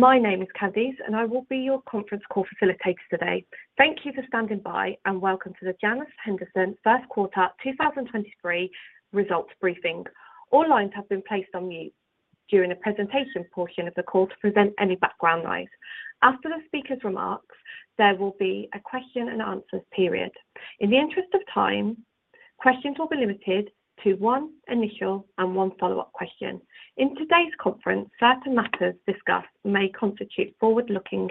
My name is Candice, and I will be your conference call facilitator today. Thank you for standing by and welcome to the Janus Henderson first quarter 2023 results briefing. All lines have been placed on mute during the presentation portion of the call to prevent any background noise. After the speaker's remarks, there will be a question and answer period. In the interest of time, questions will be limited to one initial and one follow-up question. In today's conference, certain matters discussed may constitute forward-looking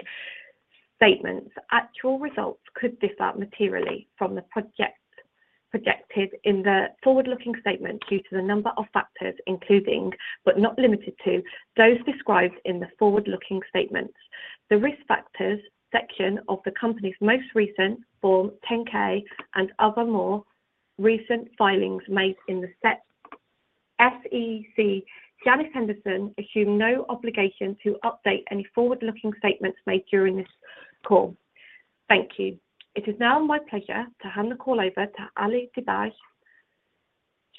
statements. Actual results could differ materially from the projected in the forward-looking statement due to the number of factors including, but not limited to, those described in the forward-looking statements. The Risk Factors section of the company's most recent Form 10-K and other more recent filings made in the SEC. Janus Henderson assume no obligation to update any forward-looking statements made during this call. Thank you. It is now my pleasure to hand the call over to Ali Dibadj,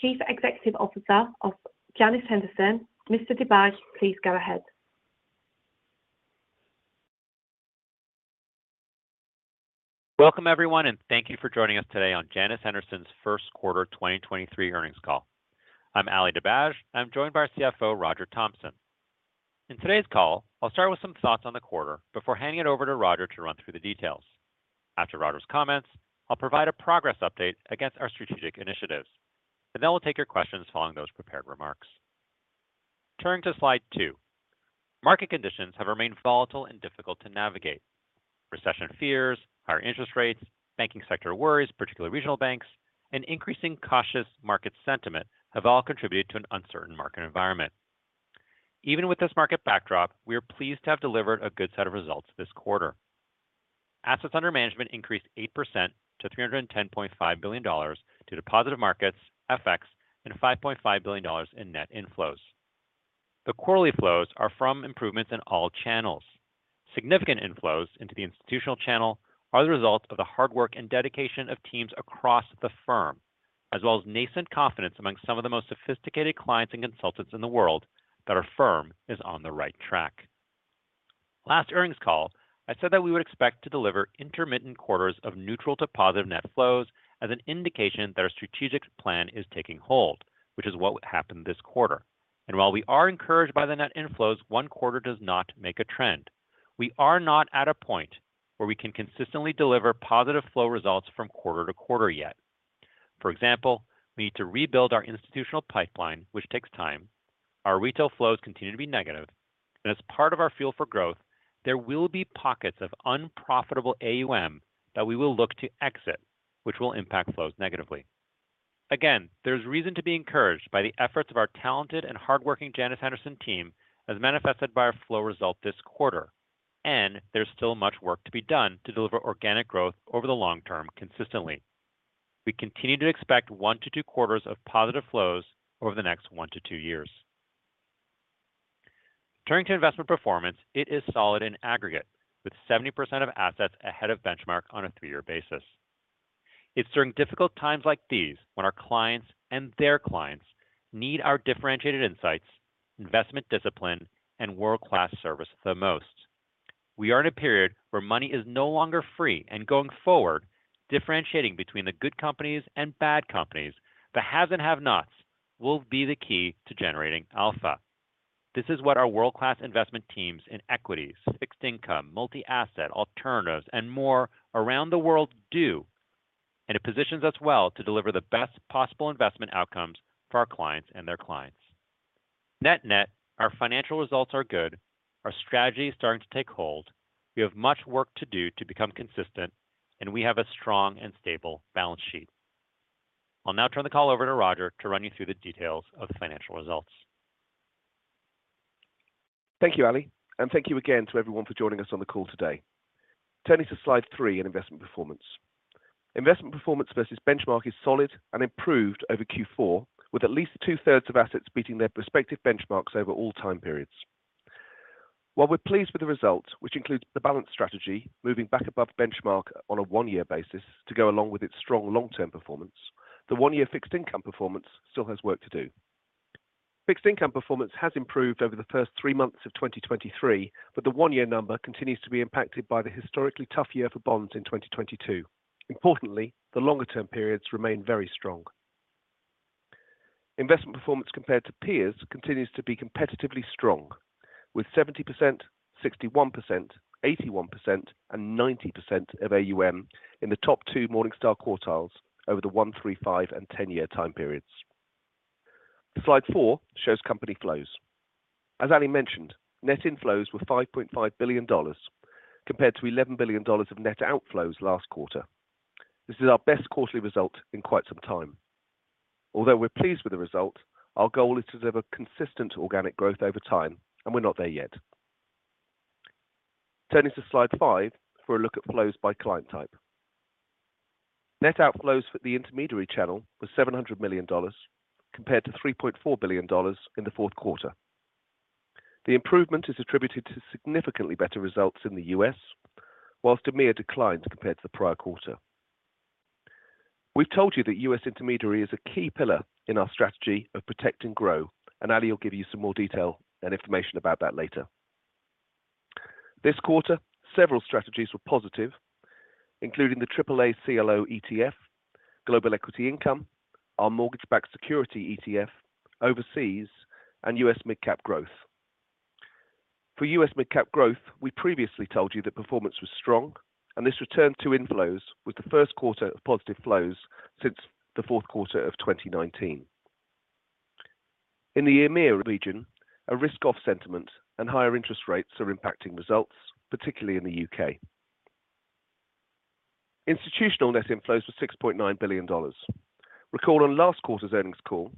Chief Executive Officer of Janus Henderson. Mr. Dibadj, please go ahead. Welcome, everyone, and thank you for joining us today on Janus Henderson's first quarter 2023 earnings call. I'm Ali Dibadj. I'm joined by our CFO, Roger Thompson. In today's call, I'll start with some thoughts on the quarter before handing it over to Roger to run through the details. After Roger's comments, I'll provide a progress update against our strategic initiatives, then we'll take your questions following those prepared remarks. Turning to slide two. Market conditions have remained volatile and difficult to navigate. Recession fears, higher interest rates, banking sector worries, particularly regional banks, and increasing cautious market sentiment have all contributed to an uncertain market environment. Even with this market backdrop, we are pleased to have delivered a good set of results this quarter. Assets under management increased 8% to $310.5 billion due to positive markets, FX, and $5.5 billion in net inflows. The quarterly flows are from improvements in all channels. Significant inflows into the institutional channel are the result of the hard work and dedication of teams across the firm, as well as nascent confidence among some of the most sophisticated clients and consultants in the world that our firm is on the right track. Last earnings call, I said that we would expect to deliver intermittent quarters of neutral to positive net flows as an indication that our strategic plan is taking hold, which is what happened this quarter. While we are encouraged by the net inflows, one quarter does not make a trend. We are not at a point where we can consistently deliver positive flow results from quarter to quarter yet. For example, we need to rebuild our institutional pipeline, which takes time. Our retail flows continue to be negative. As part of our fuel for growth, there will be pockets of unprofitable AUM that we will look to exit, which will impact flows negatively. Again, there's reason to be encouraged by the efforts of our talented and hardworking Janus Henderson team as manifested by our flow result this quarter. There's still much work to be done to deliver organic growth over the long term consistently. We continue to expect one to two quarters of positive flows over the next one to two years. Turning to investment performance, it is solid in aggregate, with 70% of assets ahead of benchmark on a three-year basis. It's during difficult times like these when our clients and their clients need our differentiated insights, investment discipline, and world-class service the most. We are in a period where money is no longer free and going forward, differentiating between the good companies and bad companies, the haves and have-nots will be the key to generating alpha. This is what our world-class investment teams in equities, fixed income, multi-asset, alternatives, and more around the world do. It positions us well to deliver the best possible investment outcomes for our clients and their clients. Net net, our financial results are good. Our strategy is starting to take hold. We have much work to do to become consistent. We have a strong and stable balance sheet. I'll now turn the call over to Roger to run you through the details of the financial results. Thank you, Ali. Thank you again to everyone for joining us on the call today. Turning to slide three in investment performance. Investment performance versus benchmark is solid and improved over Q4, with at least two-thirds of assets beating their prospective benchmarks over all time periods. While we're pleased with the result, which includes the Balanced strategy moving back above benchmark on a one-year basis to go along with its strong long-term performance, the one-year fixed income performance still has work to do. Fixed income performance has improved over the first three months of 2023. The one-year number continues to be impacted by the historically tough year for bonds in 2022. Importantly, the longer term periods remain very strong. Investment performance compared to peers continues to be competitively strong with 70%, 61%, 81%, and 90% of AUM in the top two Morningstar quartiles over the one, three, five, and 10-year time periods. Slide four shows company flows. As Ali mentioned, net inflows were $5.5 billion compared to $11 billion of net outflows last quarter. This is our best quarterly result in quite some time. Although we're pleased with the result, our goal is to deliver consistent organic growth over time, and we're not there yet. Turning to slide five for a look at flows by client type. Net outflows for the intermediary channel was $700 million, compared to $3.4 billion in the fourth quarter. The improvement is attributed to significantly better results in the U.S., whilst EMEA declined compared to the prior quarter. We've told you that U.S. intermediary is a key pillar in our strategy of protect and grow, and Ali will give you some more detail and information about that later. This quarter, several strategies were positive, including the AAA CLO ETF, Global Equity Income, our Mortgage-Backed Securities ETF, Overseas and U.S. mid-cap growth. For U.S. mid-cap growth, we previously told you that performance was strong and this returned to inflows with the first quarter of positive flows since the fourth quarter of 2019. In the EMEA region, a risk-off sentiment and higher interest rates are impacting results, particularly in the U.K. Institutional net inflows were $6.9 billion. Recall on last quarter's earnings call,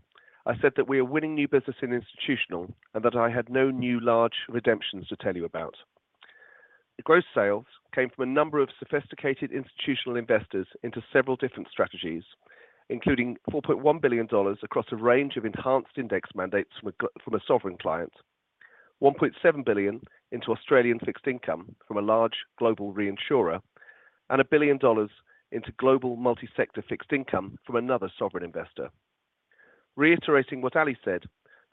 I said that we are winning new business in institutional and that I had no new large redemptions to tell you about. The gross sales came from a number of sophisticated institutional investors into several different strategies, including $4.1 billion across a range of enhanced index mandates from a sovereign client, $1.7 billion into Australian fixed income from a large global reinsurer, and $1 billion into global multi-sector fixed income from another sovereign investor. Reiterating what Ali said,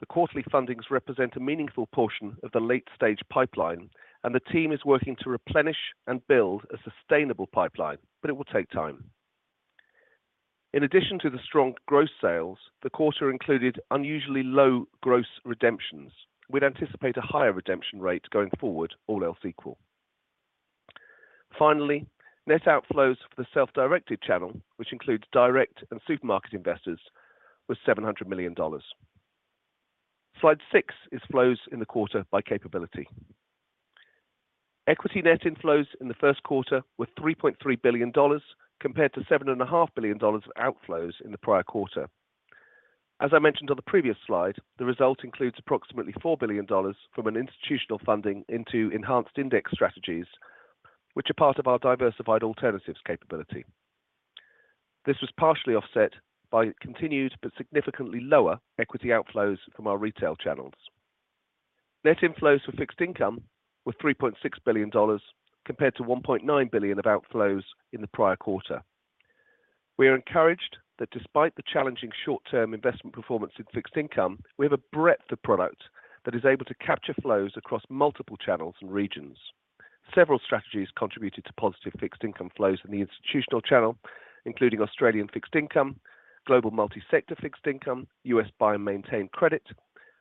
the quarterly fundings represent a meaningful portion of the late-stage pipeline, and the team is working to replenish and build a sustainable pipeline, but it will take time. In addition to the strong gross sales, the quarter included unusually low gross redemptions. We'd anticipate a higher redemption rate going forward, all else equal. Finally, net outflows for the self-directed channel, which includes direct and supermarket investors, was $700 million. Slide six is flows in the quarter by capability. Equity net inflows in the first quarter were $3.3 billion compared to $7.5 billion of outflows in the prior quarter. As I mentioned on the previous slide, the result includes approximately $4 billion from an institutional funding into enhanced index strategies, which are part of our diversified alternatives capability. This was partially offset by continued but significantly lower equity outflows from our retail channels. Net inflows for fixed income were $3.6 billion compared to $1.9 billion of outflows in the prior quarter. We are encouraged that despite the challenging short-term investment performance in fixed income, we have a breadth of product that is able to capture flows across multiple channels and regions. Several strategies contributed to positive fixed income flows in the institutional channel, including Australian fixed income, global multi-sector fixed income, U.S. buy-maintain credit,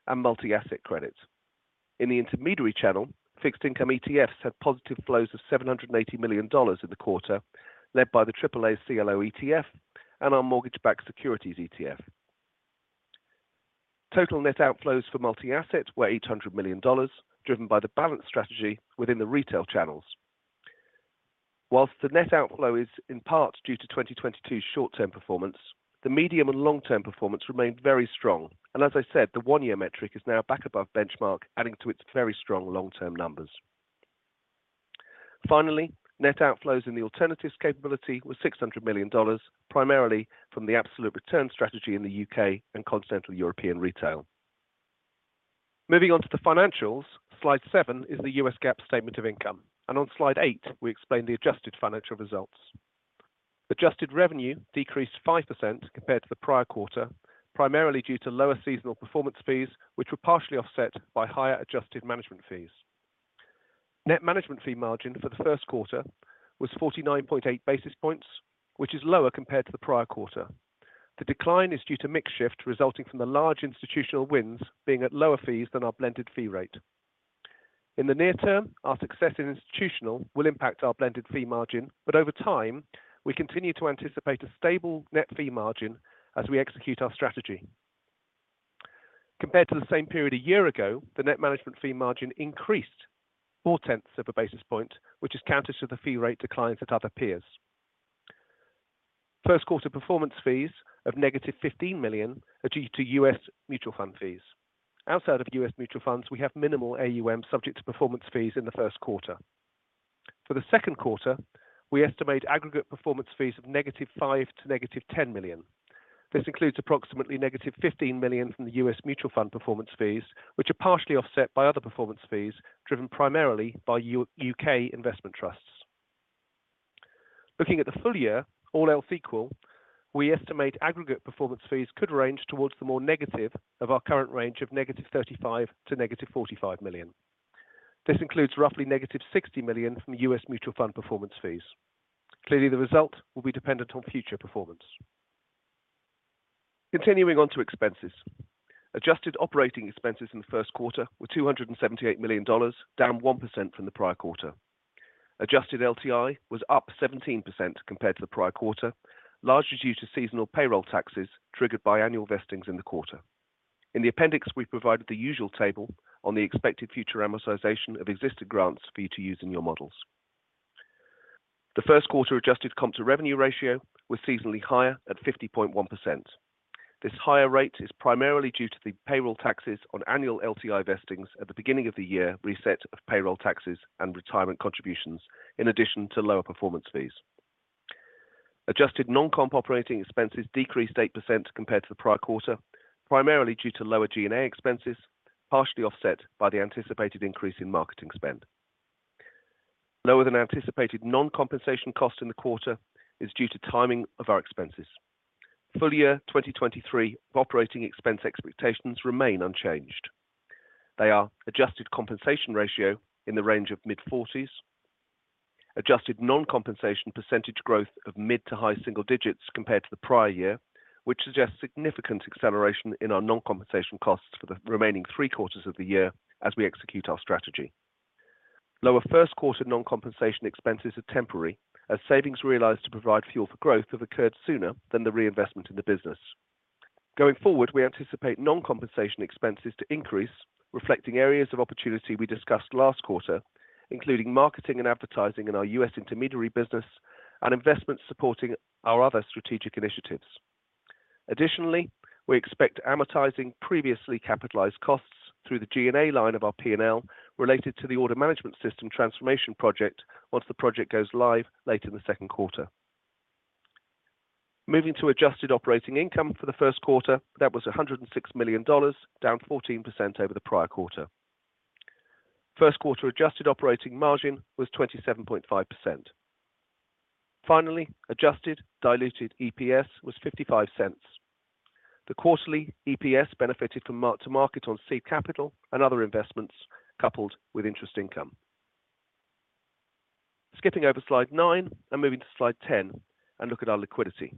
and multi-asset credit. In the intermediary channel, fixed income ETFs had positive flows of $780 million in the quarter, led by the AAA CLO ETF and our Mortgage-Backed Securities ETF. Total net outflows for multi-asset were $800 million, driven by the Balanced strategy within the retail channels. Whilst the net outflow is in part due to 2022 short-term performance, the medium and long-term performance remained very strong. As I said, the 1-year metric is now back above benchmark, adding to its very strong long-term numbers. Finally, net outflows in the alternatives capability were $600 million, primarily from the absolute return strategy in the U.K. and Continental European retail. Moving on to the financials, slide seven is the U.S. GAAP statement of income. On slide eight, we explain the adjusted financial results. Adjusted revenue decreased 5% compared to the prior quarter, primarily due to lower seasonal performance fees, which were partially offset by higher adjusted management fees. Net management fee margin for the first quarter was 49.8 basis points, which is lower compared to the prior quarter. The decline is due to mix shift resulting from the large institutional wins being at lower fees than our blended fee rate. In the near term, our success in institutional will impact our blended fee margin. Over time, we continue to anticipate a stable net fee margin as we execute our strategy. Compared to the same period a year ago, the net management fee margin increased 4/10 of a basis point, which is counter to the fee rate declines at other peers. First quarter performance fees of -$15 million are due to U.S. mutual fund fees. Outside of U.S. mutual funds, we have minimal AUM subject to performance fees in the first quarter. For the second quarter, we estimate aggregate performance fees of -$5 million to -$10 million. This includes approximately negative $15 million from the U.S. mutual fund performance fees, which are partially offset by other performance fees driven primarily by U.K. investment trusts. Looking at the full year, all else equal, we estimate aggregate performance fees could range towards the more negative of our current range of -$35 million to -$45 million. This includes roughly negative $60 million from U.S. mutual fund performance fees. Clearly, the result will be dependent on future performance. Continuing on to expenses. Adjusted operating expenses in the first quarter were $278 million, down 1% from the prior quarter. Adjusted LTI was up 17% compared to the prior quarter, largely due to seasonal payroll taxes triggered by annual vestings in the quarter. In the appendix, we provided the usual table on the expected future amortization of existed grants for you to use in your models. The first quarter adjusted comp to revenue ratio was seasonally higher at 50.1%. This higher rate is primarily due to the payroll taxes on annual LTI vestings at the beginning of the year, reset of payroll taxes and retirement contributions, in addition to lower performance fees. Adjusted non-comp operating expenses decreased 8% compared to the prior quarter, primarily due to lower G&A expenses, partially offset by the anticipated increase in marketing spend. Lower than anticipated non-compensation cost in the quarter is due to timing of our expenses. Full year 2023 operating expense expectations remain unchanged. They are adjusted compensation ratio in the range of mid-forties. Adjusted non-compensation percentage growth of mid to high single digits compared to the prior year, which suggests significant acceleration in our non-compensation costs for the remaining three quarters of the year as we execute our strategy. Lower first quarter non-compensation expenses are temporary as savings realized to provide fuel for growth have occurred sooner than the reinvestment in the business. Going forward, we anticipate non-compensation expenses to increase, reflecting areas of opportunity we discussed last quarter, including marketing and advertising in our U.S. intermediary business and investments supporting our other strategic initiatives. Additionally, we expect amortizing previously capitalized costs through the G&A line of our P&L related to the order management system transformation project once the project goes live late in the second quarter. Moving to adjusted operating income for the first quarter, that was $106 million, down 14% over the prior quarter. First quarter adjusted operating margin was 27.5%. Finally, adjusted diluted EPS was $0.55. The quarterly EPS benefited from mark-to-market on seed capital and other investments coupled with interest income. Skipping over slide nine and moving to slide 10 and look at our liquidity.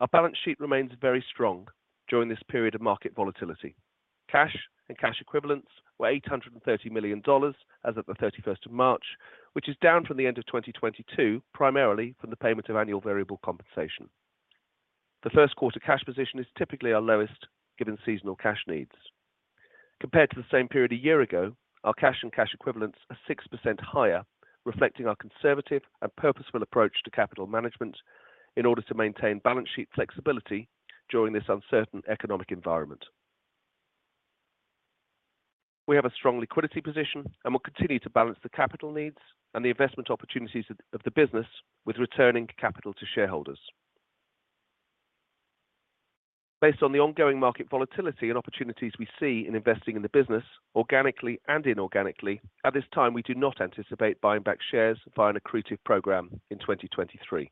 Our balance sheet remains very strong during this period of market volatility. Cash and cash equivalents were $830 million as of the 31st of March, which is down from the end of 2022, primarily from the payment of annual variable compensation. The first quarter cash position is typically our lowest given seasonal cash needs. Compared to the same period a year ago, our cash and cash equivalents are 6% higher, reflecting our conservative and purposeful approach to capital management in order to maintain balance sheet flexibility during this uncertain economic environment. We have a strong liquidity position and will continue to balance the capital needs and the investment opportunities of the business with returning capital to shareholders. Based on the ongoing market volatility and opportunities we see in investing in the business organically and inorganically, at this time, we do not anticipate buying back shares via an accretive program in 2023.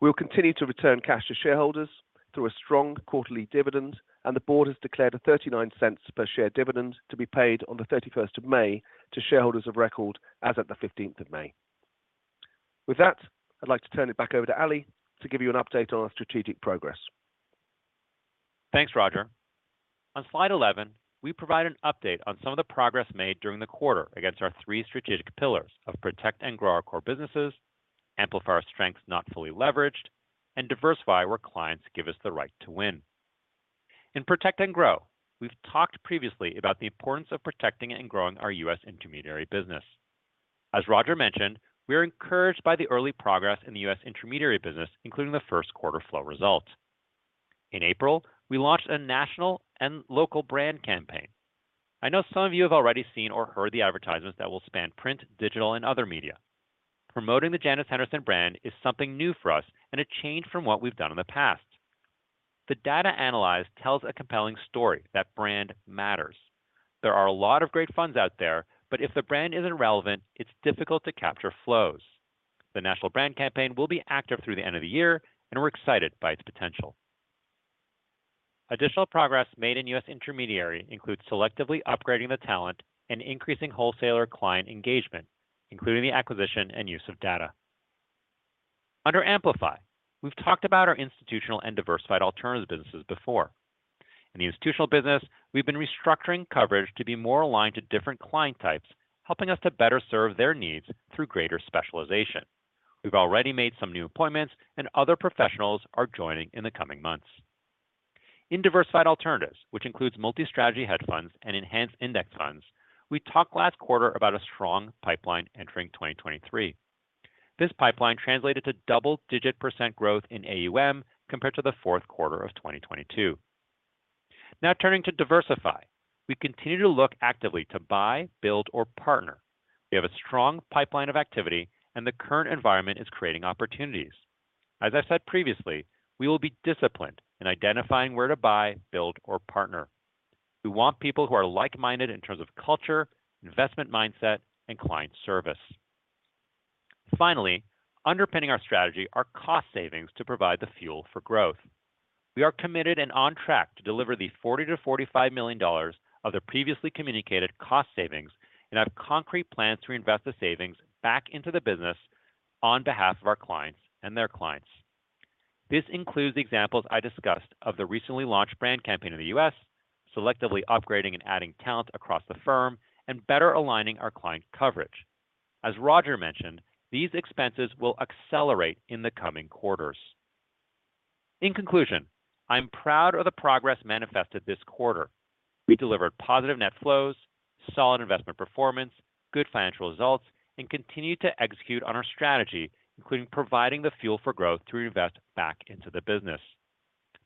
We will continue to return cash to shareholders through a strong quarterly dividend. The board has declared a $0.39 per share dividend to be paid on the 31st of May to shareholders of record as of the 15th of May. With that, I'd like to turn it back over to Ali to give you an update on our strategic progress. Thanks, Roger. On slide 11, we provide an update on some of the progress made during the quarter against our three strategic pillars of protect and grow our core businesses, amplify our strengths not fully leveraged, and diversify where clients give us the right to win. In protect and grow, we've talked previously about the importance of protecting and growing our U.S. intermediary business. As Roger mentioned, we are encouraged by the early progress in the U.S. intermediary business, including the 1st quarter flow results. In April, we launched a national and local brand campaign. I know some of you have already seen or heard the advertisements that will span print, digital, and other media. Promoting the Janus Henderson brand is something new for us and a change from what we've done in the past. The data analyzed tells a compelling story that brand matters. There are a lot of great funds out there, but if the brand isn't relevant, it's difficult to capture flows. The national brand campaign will be active through the end of the year, and we're excited by its potential. Additional progress made in U.S. intermediary includes selectively upgrading the talent and increasing wholesaler client engagement, including the acquisition and use of data. Under Amplify, we've talked about our institutional and diversified alternative businesses before. In the institutional business, we've been restructuring coverage to be more aligned to different client types, helping us to better serve their needs through greater specialization. We've already made some new appointments and other professionals are joining in the coming months. In diversified alternatives, which includes multi-strategy hedge funds and enhanced index funds, we talked last quarter about a strong pipeline entering 2023. This pipeline translated to double-digit % growth in AUM compared to the fourth quarter of 2022. Turning to Diversify, we continue to look actively to buy, build, or partner. We have a strong pipeline of activity and the current environment is creating opportunities. As I said previously, we will be disciplined in identifying where to buy, build, or partner. We want people who are like-minded in terms of culture, investment mindset, and client service. Finally, underpinning our strategy are cost savings to provide the fuel for growth. We are committed and on track to deliver the $40 million-$45 million of the previously communicated cost savings and have concrete plans to reinvest the savings back into the business on behalf of our clients and their clients. This includes the examples I discussed of the recently launched brand campaign in the U.S., selectively upgrading and adding talent across the firm, and better aligning our client coverage. As Roger mentioned, these expenses will accelerate in the coming quarters. In conclusion, I'm proud of the progress manifested this quarter. We delivered positive net flows, solid investment performance, good financial results, and continued to execute on our strategy, including providing the fuel for growth to reinvest back into the business.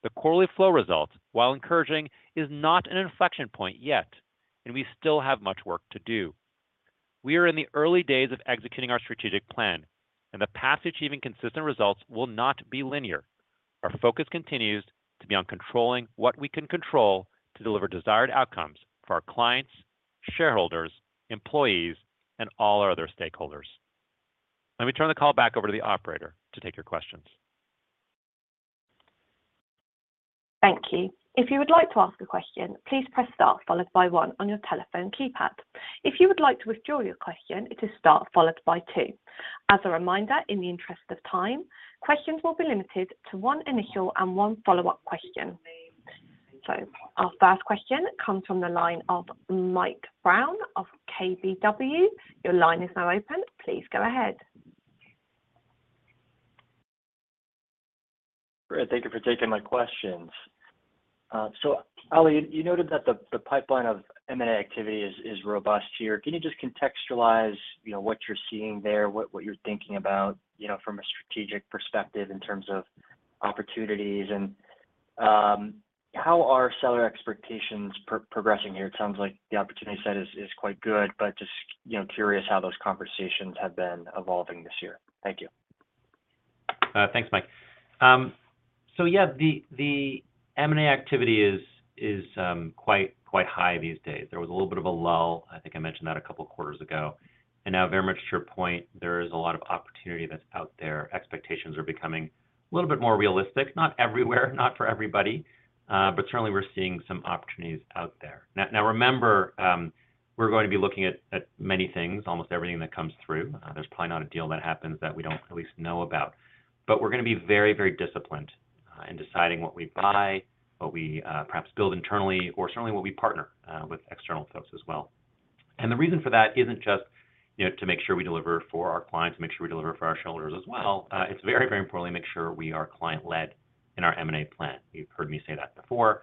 The quarterly flow results, while encouraging, is not an inflection point yet, and we still have much work to do. We are in the early days of executing our strategic plan, and the path to achieving consistent results will not be linear. Our focus continues to be on controlling what we can control to deliver desired outcomes for our clients, shareholders, employees, and all other stakeholders. Let me turn the call back over to the operator to take your questions. Thank you. If you would like to ask a question, please press star followed by one on your telephone keypad. If you would like to withdraw your question, it is star followed by two. As a reminder, in the interest of time, questions will be limited to one initial and one follow-up question. Our first question comes from the line of Mike Brown of KBW. Your line is now open. Please go ahead. Great. Thank you for taking my questions. Ali, you noted that the pipeline of M&A activity is robust here. Can you just contextualize, you know, what you're seeing there, what you're thinking about, you know, from a strategic perspective in terms of opportunities and how are seller expectations progressing here? It sounds like the opportunity set is quite good, just, you know, curious how those conversations have been evolving this year. Thank you. Thanks, Mike. Yeah, the M&A activity is quite high these days. There was a little bit of a lull, I think I mentioned that a couple of quarters ago. Now very much to your point, there is a lot of opportunity that's out there. Expectations are becoming a little bit more realistic, not everywhere, not for everybody, but certainly we're seeing some opportunities out there. Now remember, we're going to be looking at many things, almost everything that comes through. There's probably not a deal that happens that we don't at least know about. We're gonna be very disciplined in deciding what we buy, what we perhaps build internally, or certainly what we partner with external folks as well. The reason for that isn't just, you know, to make sure we deliver for our clients, to make sure we deliver for our shareholders as well. It's very, very importantly make sure we are client-led in our M&A plan. You've heard me say that before.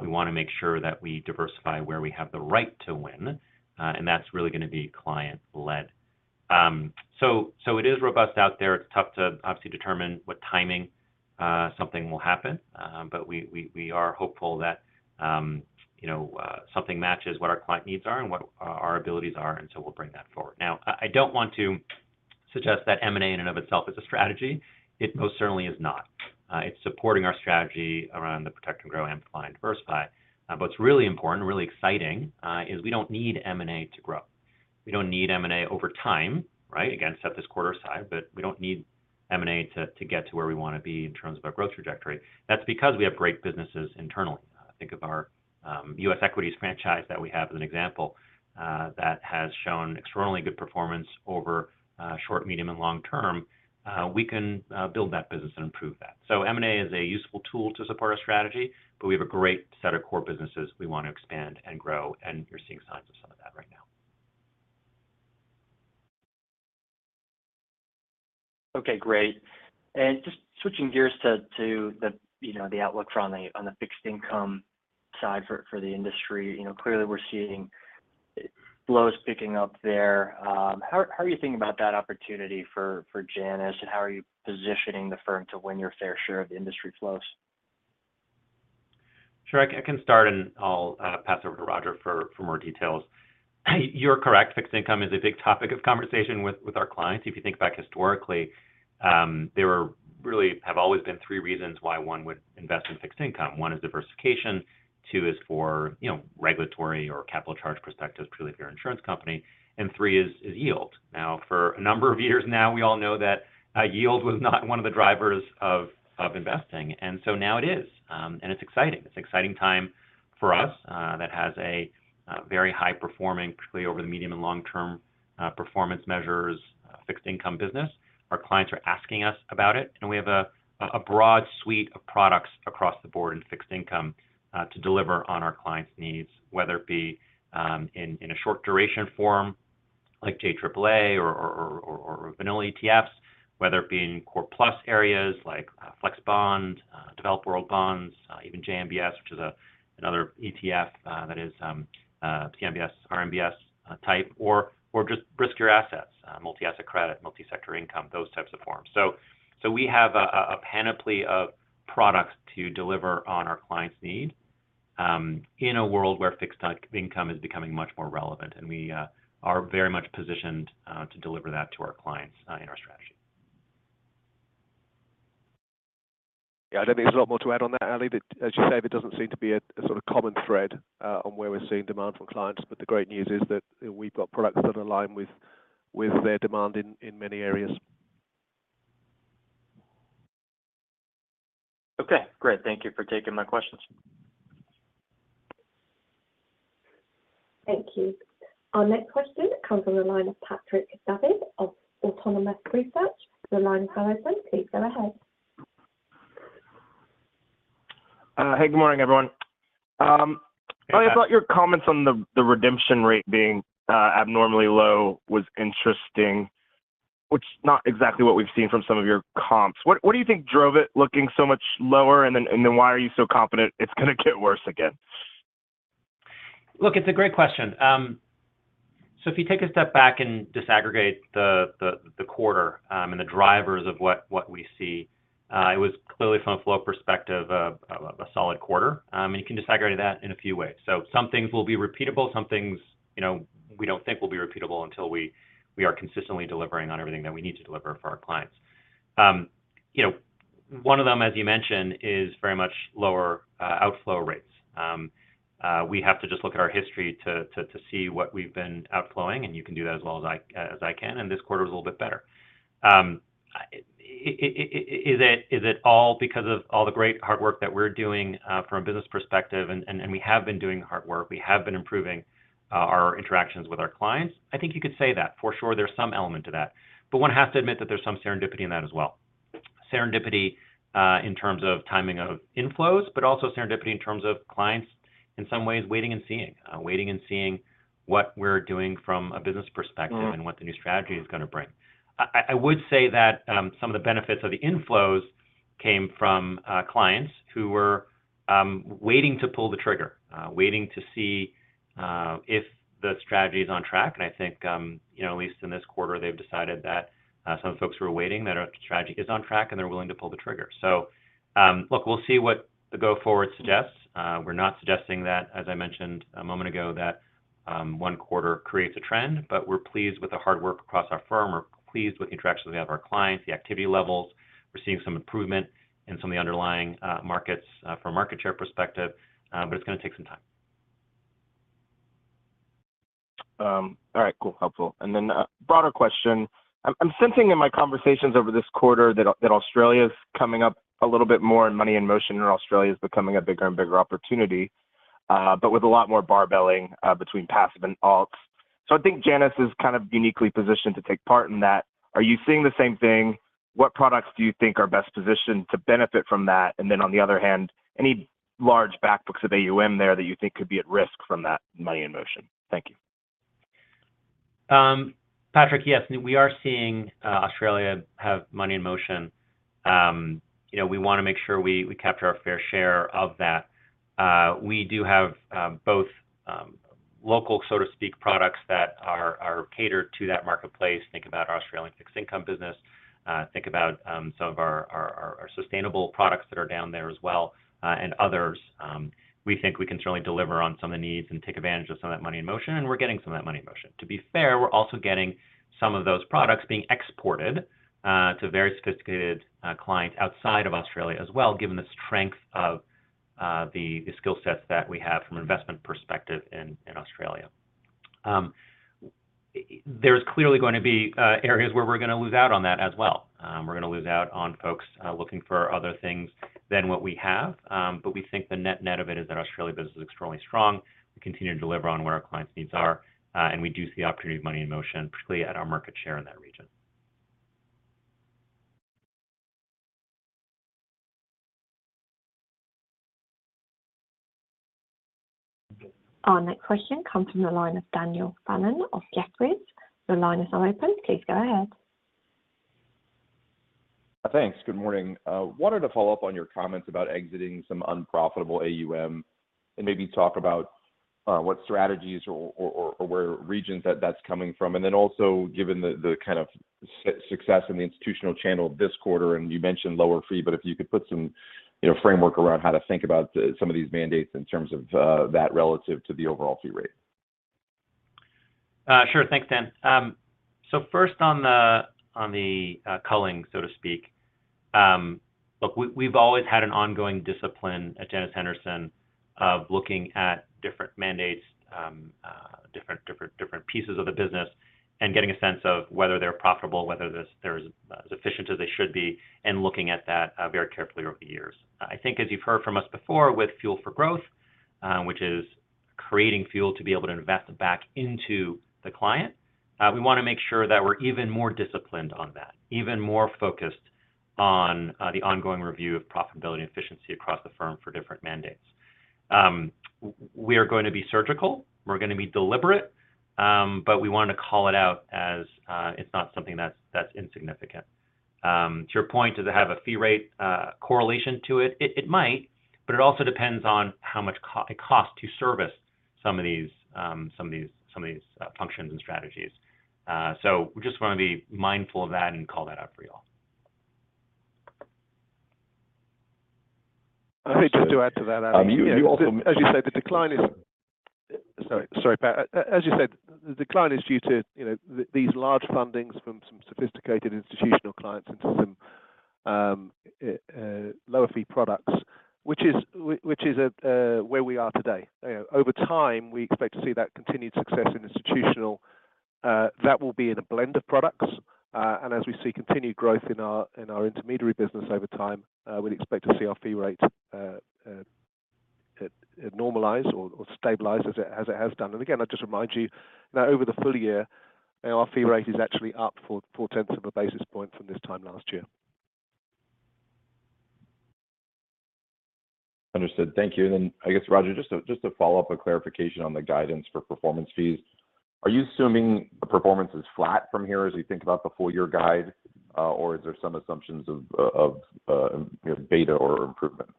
We wanna make sure that we diversify where we have the right to win, and that's really gonna be client-led. It is robust out there. It's tough to obviously determine what timing something will happen. We are hopeful that, you know, something matches what our client needs are and what our abilities are, and so we'll bring that forward. Now, I don't want to suggest that M&A in and of itself is a strategy. It most certainly is not. It's supporting our strategy around the protect and grow, amplify and diversify. What's really important and really exciting is we don't need M&A to grow. We don't need M&A over time, right? Again, set this quarter aside, but we don't need M&A to get to where we wanna be in terms of our growth trajectory. That's because we have great businesses internally. Think of our U.S. equities franchise that we have as an example, that has shown extraordinarily good performance over short, medium, and long term. We can build that business and improve that. M&A is a useful tool to support our strategy, but we have a great set of core businesses we want to expand and grow, and you're seeing signs of some of that right now. Okay, great. Just switching gears to the, you know, the outlook on the fixed income side for the industry. You know, clearly we're seeing flows picking up there. How are you thinking about that opportunity for Janus? How are you positioning the firm to win your fair share of industry flows? Sure. I can start, and I'll pass over to Roger for more details. You're correct. Fixed income is a big topic of conversation with our clients. If you think back historically, there really have always been three reasons why one would invest in fixed income. One is diversification, two is for, you know, regulatory or capital charge perspectives, particularly if you're an insurance company, and three is yield. Now, for a number of years now, we all know that yield was not one of the drivers of investing. Now it is. It's exciting. It's an exciting time for us that has a very high performing, particularly over the medium and long term, performance measures, fixed income business. Our clients are asking us about it, we have a broad suite of products across the board in fixed income to deliver on our clients' needs, whether it be in a short duration form like JAAA or VNLA ETFs, whether it be in core plus areas like Flexible Bond Fund, developed world bonds, even JMBS, which is another ETF that is a CMBS, RMBS type or just riskier assets, multi-asset credit, Multi-Sector Income, those types of forms. We have a panoply of products to deliver on our clients' need in a world where fixed income is becoming much more relevant. We are very much positioned to deliver that to our clients in our strategy. Yeah, I don't think there's a lot more to add on that, Ali. As you say, there doesn't seem to be a sort of common thread on where we're seeing demand from clients. The great news is that we've got products that align with their demand in many areas. Okay, great. Thank you for taking my questions. Thank you. Our next question comes on the line of Patrick Davitt of Autonomous Research. Your line is now open. Please go ahead. Hey, good morning, everyone. Ali, I thought your comments on the redemption rate being abnormally low was interesting, which is not exactly what we've seen from some of your comps. What do you think drove it looking so much lower? Then why are you so confident it's gonna get worse again? Look, it's a great question. If you take a step back and disaggregate the quarter, and the drivers of what we see, it was clearly from a flow perspective a solid quarter. And you can disaggregate that in a few ways. Some things will be repeatable, some things, you know, we don't think will be repeatable until we are consistently delivering on everything that we need to deliver for our clients. You know, one of them, as you mentioned, is very much lower outflow rates. We have to just look at our history to see what we've been outflowing, and you can do that as well as I can, and this quarter was a little bit better. Is it, is it all because of all the great hard work that we're doing from a business perspective and we have been doing the hard work, we have been improving our interactions with our clients? I think you could say that. For sure, there's some element to that, but one has to admit that there's some serendipity in that as well. Serendipity in terms of timing of inflows, but also serendipity in terms of clients in some ways waiting and seeing. waiting and seeing what we're doing from a business perspective Mm. what the new strategy is gonna bring. I would say that some of the benefits of the inflows came from clients who were waiting to pull the trigger. Waiting to see if the strategy is on track. I think, you know, at least in this quarter, they've decided that some of the folks who are waiting, that our strategy is on track and they're willing to pull the trigger. Look, we'll see what the go forward suggests. We're not suggesting that, as I mentioned a moment ago, that one quarter creates a trend, but we're pleased with the hard work across our firm. We're pleased with the interactions we have our clients, the activity levels. We're seeing some improvement in some of the underlying markets from a market share perspective, but it's gonna take some time. All right. Cool. Helpful. A broader question. I'm sensing in my conversations over this quarter that Australia's coming up a little bit more in money in motion, or Australia's becoming a bigger and bigger opportunity, but with a lot more barbelling between passive and alts. I think Janus is kind of uniquely positioned to take part in that. Are you seeing the same thing? What products do you think are best positioned to benefit from that? On the other hand, any large back books of AUM there that you think could be at risk from that money in motion? Thank you. Patrick, yes. We are seeing Australia have money in motion. You know, we wanna make sure we capture our fair share of that. We do have both local, so to speak, products that are catered to that marketplace. Think about our Australian fixed income business. Think about some of our sustainable products that are down there as well, and others. We think we can certainly deliver on some of the needs and take advantage of some of that money in motion, and we're getting some of that money in motion. To be fair, we're also getting some of those products being exported to very sophisticated clients outside of Australia as well, given the strength of the skill sets that we have from an investment perspective in Australia. There's clearly gonna be areas where we're gonna lose out on that as well. We're gonna lose out on folks looking for other things than what we have. We think the net-net of it is that Australia business is extremely strong. We continue to deliver on where our clients' needs are, and we do see opportunity of money in motion, particularly at our market share in that region. Our next question comes from the line of Daniel Fannon of Jefferies. Your line is now open. Please go ahead. Thanks. Good morning. wanted to follow up on your comments about exiting some unprofitable AUM and maybe talk about what strategies or regions that that's coming from. Also, given the kind of success in the institutional channel this quarter, and you mentioned lower fee, but if you could put some, you know, framework around how to think about the some of these mandates in terms of that relative to the overall fee rate. Sure. Thanks, Dan. First on the, on the culling, so to speak. Look, we've always had an ongoing discipline at Janus Henderson of looking at different mandates, different pieces of the business and getting a sense of whether they're profitable, whether they're as efficient as they should be, and looking at that very carefully over the years. I think as you've heard from us before with fuel for growth, which is creating fuel to be able to invest back into the client, we wanna make sure that we're even more disciplined on that, even more focused on the ongoing review of profitability and efficiency across the firm for different mandates. We are going to be surgical, we're gonna be deliberate. We wanna call it out as it's not something that's insignificant. To your point, does it have a fee rate correlation to it? It, it might, but it also depends on how much co-it costs to service some of these functions and strategies. We just wanna be mindful of that and call that out for y'all. I think just to add to that, Dan. You also- Sorry, but, as you said, the decline is due to, you know, these large fundings from some sophisticated institutional clients into some lower fee products, which is where we are today. You know, over time, we expect to see that continued success in institutional. That will be in a blend of products, as we see continued growth in our intermediary business over time, we'd expect to see our fee rate normalize or stabilize as it has done. Again, I'd just remind you that over the full year, our fee rate is actually up 4/10 of a basis point from this time last year. Understood. Thank you. I guess, Roger, just a follow-up or clarification on the guidance for performance fees. Are you assuming the performance is flat from here as we think about the full year guide, or is there some assumptions of, you know, beta or improvement?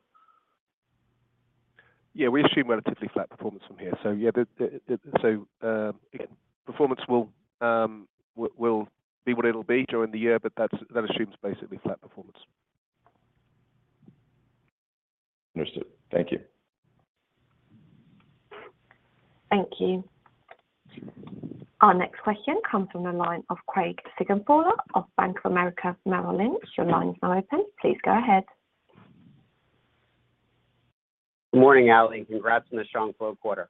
We assume relatively flat performance from here. Yeah, the performance will be what it'll be during the year, but that assumes basically flat performance. Understood. Thank you. Thank you. Our next question comes from the line of Craig Siegenthaler of Bank of America Merrill Lynch. Your line is now open. Please go ahead. Good morning, Ali. Congrats on the strong flow quarter.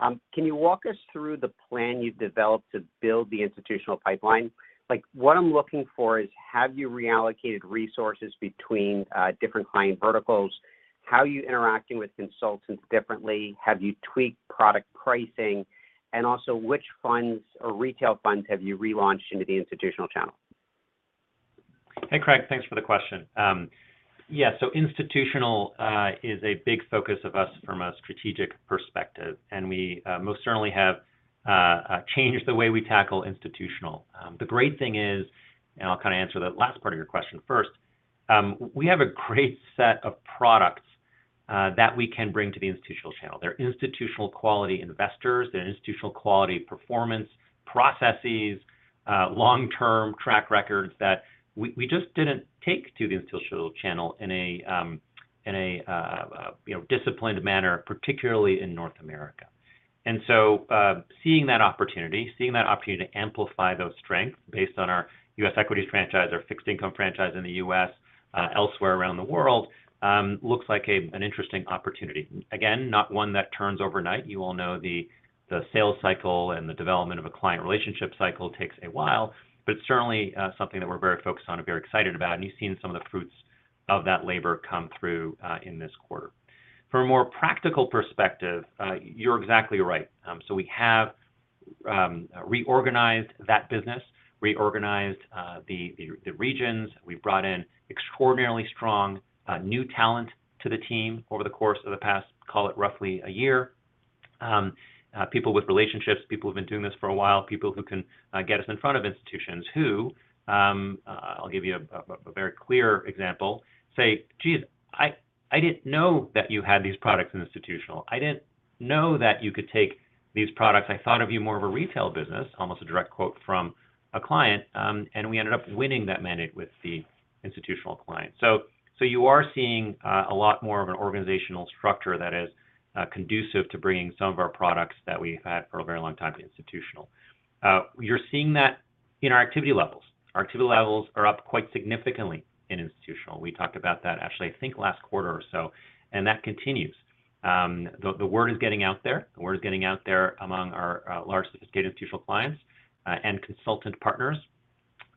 Can you walk us through the plan you've developed to build the institutional pipeline? Like, what I'm looking for is have you reallocated resources between different client verticals? How are you interacting with consultants differently? Have you tweaked product pricing? Also, which funds or retail funds have you relaunched into the institutional channel? Hey, Craig. Thanks for the question. Yeah, institutional is a big focus of us from a strategic perspective, and we most certainly have changed the way we tackle institutional. The great thing is, and I'll kind of answer the last part of your question first, we have a great set of products that we can bring to the institutional channel. They're institutional quality investors. They're institutional quality performance processes, long-term track records that we just didn't take to the institutional channel in a, in a, you know, disciplined manner, particularly in North America. Seeing that opportunity, seeing that opportunity to amplify those strengths based on our U.S. equities franchise, our fixed income franchise in the U.S., elsewhere around the world, looks like an interesting opportunity. Not one that turns overnight. You all know the sales cycle and the development of a client relationship cycle takes a while, but certainly, something that we're very focused on and very excited about. You've seen some of the fruits of that labor come through in this quarter. From a more practical perspective, you're exactly right. We have reorganized that business, reorganized the regions. We've brought in extraordinarily strong new talent to the team over the course of the past, call it roughly a year. People with relationships, people who've been doing this for a while, people who can get us in front of institutions who, I'll give you a very clear example, say, "Geez, I didn't know that you had these products in institutional. I didn't know that you could take these products. I thought of you more of a retail business," almost a direct quote from a client. We ended up winning that mandate with the institutional client. You are seeing a lot more of an organizational structure that is conducive to bringing some of our products that we've had for a very long time to institutional. You're seeing that in our activity levels. Our activity levels are up quite significantly in institutional. We talked about that actually, I think, last quarter or so, That continues. The word is getting out there. The word is getting out there among our large sophisticated institutional clients, and consultant partners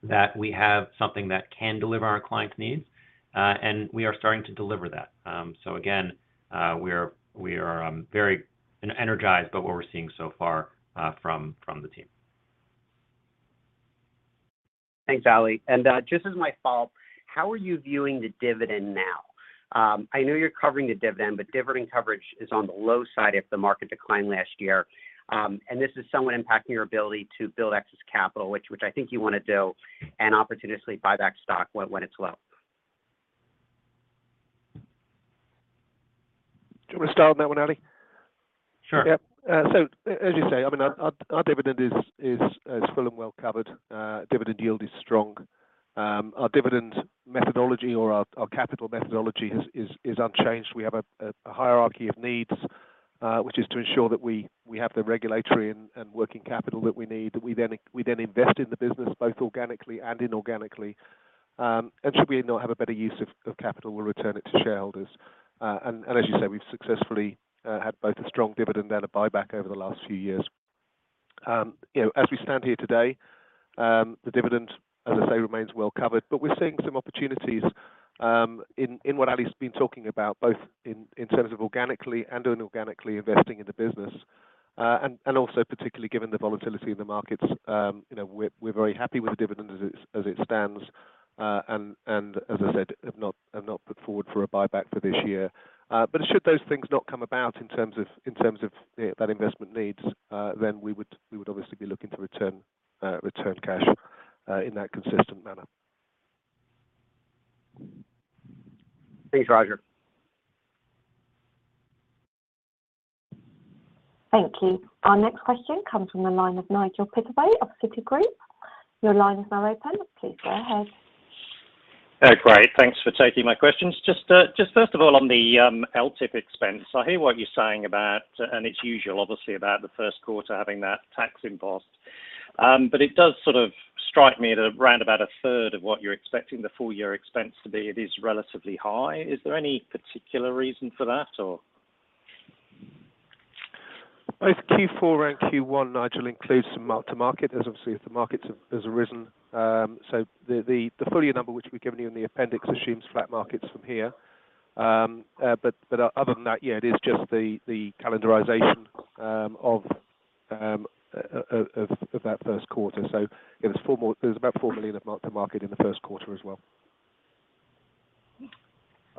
that we have something that can deliver on clients' needs, We are starting to deliver that. Again, we are very energized by what we're seeing so far from the team. Thanks, Ali. Just as my follow-up, how are you viewing the dividend now? I know you're covering the dividend, but dividend coverage is on the low side of the market decline last year. This is somewhat impacting your ability to build excess capital, which I think you wanna do and opportunistically buy back stock when it's low. Do you wanna start on that one, Ali? Sure. Yeah. As you say, I mean, our dividend is full and well covered. Dividend yield is strong. Our dividend methodology or our capital methodology is unchanged. We have a hierarchy of needs, which is to ensure that we have the regulatory and working capital that we need. We then invest in the business both organically and inorganically. Should we not have a better use of capital, we'll return it to shareholders. As you say, we've successfully had both a strong dividend and a buyback over the last few years. You know, as we stand here today, the dividend, as I say, remains well covered. We're seeing some opportunities, in what Ali's been talking about, both in terms of organically and inorganically investing in the business. And also particularly given the volatility of the markets, you know, we're very happy with the dividend as it stands, and as I said, have not put forward for a buyback for this year. Should those things not come about in terms of that investment needs, then we would obviously be looking to return cash in that consistent manner. Thanks, Roger. Thank you. Our next question comes from the line of Nigel Pittaway of Citigroup. Your line is now open. Please go ahead. Oh, great. Thanks for taking my questions. Just, just first of all, on the LTIP expense, I hear what you're saying about, and it's usual obviously, about the first quarter having that tax imposed. It does sort of strike me at around about a third of what you're expecting the full year expense to be. It is relatively high. Is there any particular reason for that, or? Both Q4 and Q1, Nigel, includes some mark to market as obviously the markets has risen. The full year number which we've given you in the appendix assumes flat markets from here. Other than that, yeah, it is just the calendarization of that first quarter. It was about $4 million of mark to market in the first quarter as well.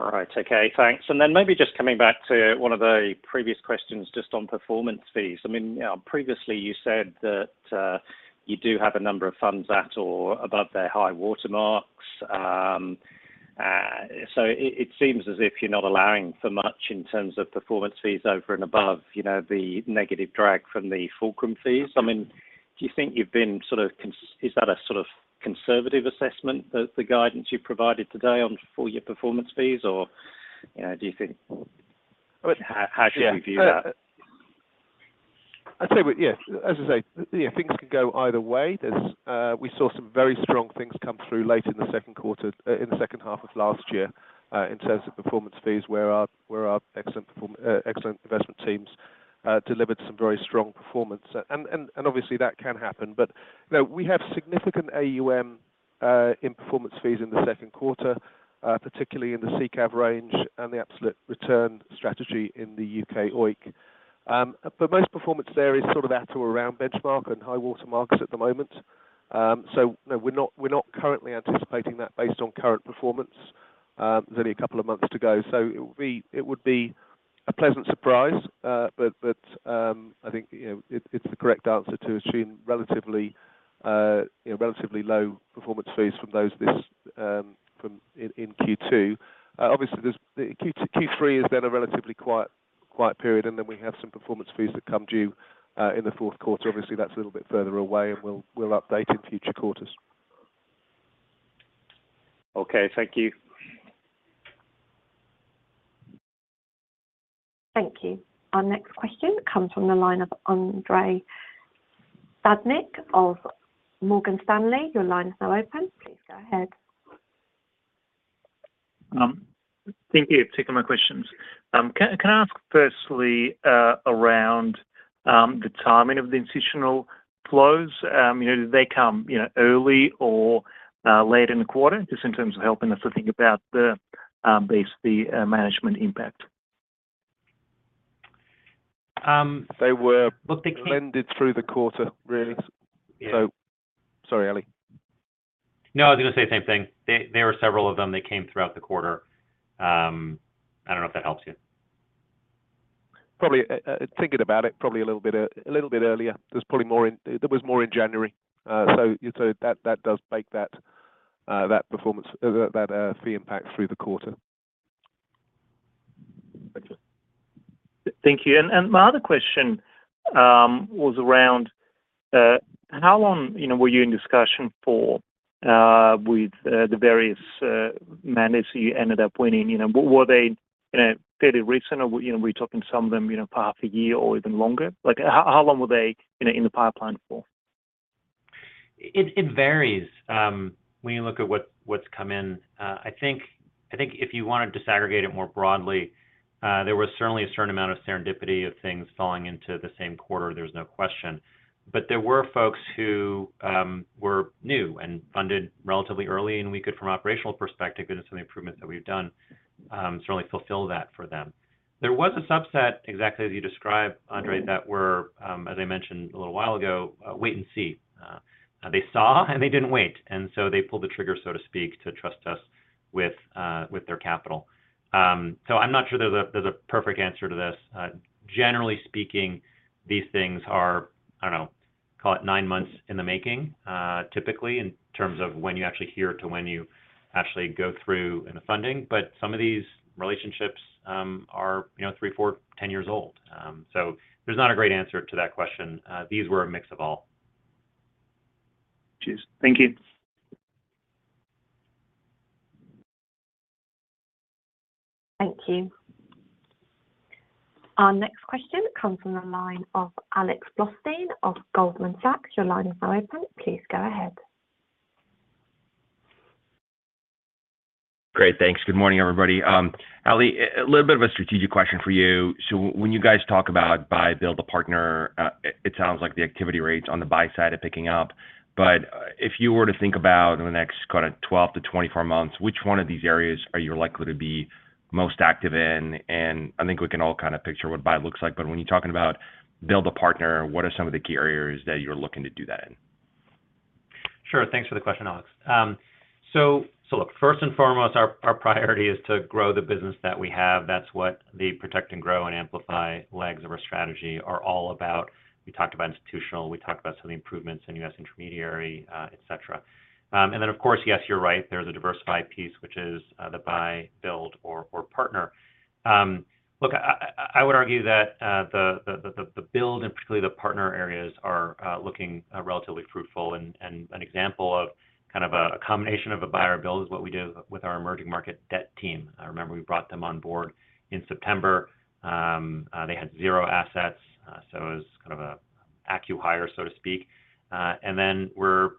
All right. Okay, thanks. Maybe just coming back to one of the previous questions just on performance fees. You know, previously you said that you do have a number of funds at or above their high watermarks. It, it seems as if you're not allowing for much in terms of performance fees over and above, you know, the negative drag from the fulcrum fees. Do you think you've been sort of Is that a sort of conservative assessment, the guidance you provided today on full year performance fees or? You know, do you think- How should we view that? I'd say Yes. As I say, you know, things could go either way. There's, we saw some very strong things come through late in the second quarter, in the second half of last year, in terms of performance fees where our excellent investment teams delivered some very strong performance. obviously that can happen. you know, we have significant AUM in performance fees in the second quarter, particularly in the CK range and the absolute return strategy in the U.K. OEIC. Most performance there is sort of at or around benchmark and high water marks at the moment. you know, we're not currently anticipating that based on current performance. There's only a couple of months to go, so it would be a pleasant surprise. I think, you know, it's the correct answer to achieve relatively, you know, relatively low performance fees from those this, from in Q2. Obviously, there's the Q3 is then a relatively quiet period, and then we have some performance fees that come due in the fourth quarter. Obviously, that's a little bit further away, and we'll update in future quarters. Okay. Thank you. Thank you. Our next question comes from the line of Andrei Stadnik of Morgan Stanley. Your line is now open. Please go ahead. Thank you. Two quick questions. Can I ask firstly, around the timing of the institutional flows? You know, did they come, you know, early or late in the quarter? Just in terms of helping us to think about the base, the management impact. Um, they were- Well, they. blended through the quarter really. Yeah. Sorry, Ali. No, I was gonna say the same thing. They were several of them. They came throughout the quarter. I don't know if that helps you. Probably, thinking about it probably a little bit earlier. There's probably there was more in January. That does make that performance that fee impact through the quarter. Excellent. Thank you. My other question was around how long, you know, were you in discussion for with the various mandates that you ended up winning? You know, were they in a fairly recent or, you know, were you talking to some of them, you know, for half a year or even longer? Like, how long were they in the pipeline for? It varies. When you look at what's come in, I think if you wanted to disaggregate it more broadly, there was certainly a certain amount of serendipity of things falling into the same quarter, there's no question. There were folks who were new and funded relatively early, and we could, from operational perspective, given some of the improvements that we've done, certainly fulfill that for them. There was a subset, exactly as you described, Andre, that were, as I mentioned a little while ago, wait and see. They saw and they didn't wait, and so they pulled the trigger, so to speak, to trust us with their capital. I'm not sure there's a perfect answer to this. Generally speaking, these things are, I don't know, call it nine months in the making, typically, in terms of when you actually hear to when you actually go through in the funding. Some of these relationships are, you know, three, four, 10 years old. There's not a great answer to that question. These were a mix of all. Cheers. Thank you. Thank you. Our next question comes from the line of Alex Blostein of Goldman Sachs. Your line is now open. Please go ahead. Great. Thanks. Good morning, everybody. Ali, a little bit of a strategic question for you. When you guys talk about buy, build a partner, it sounds like the activity rates on the buy side are picking up. If you were to think about in the next kind of 12-24 months, which one of these areas are you likely to be most active in? I think we can all kind of picture what buy looks like, but when you're talking about build a partner, what are some of the key areas that you're looking to do that in? Sure. Thanks for the question, Alex. Look, first and foremost, our priority is to grow the business that we have. That's what the protect and grow and amplify legs of our strategy are all about. We talked about institutional, we talked about some of the improvements in US intermediary, et cetera. Then of course, yes, you're right. There's a diversified piece which is the buy, build or partner. Look, I would argue that the build and particularly the partner areas are looking relatively fruitful. An example of kind of a combination of a buy or build is what we did with our emerging market debt team. Remember we brought them on board in September. They had zero assets, so it was kind of an acqui-hire, so to speak. Then we're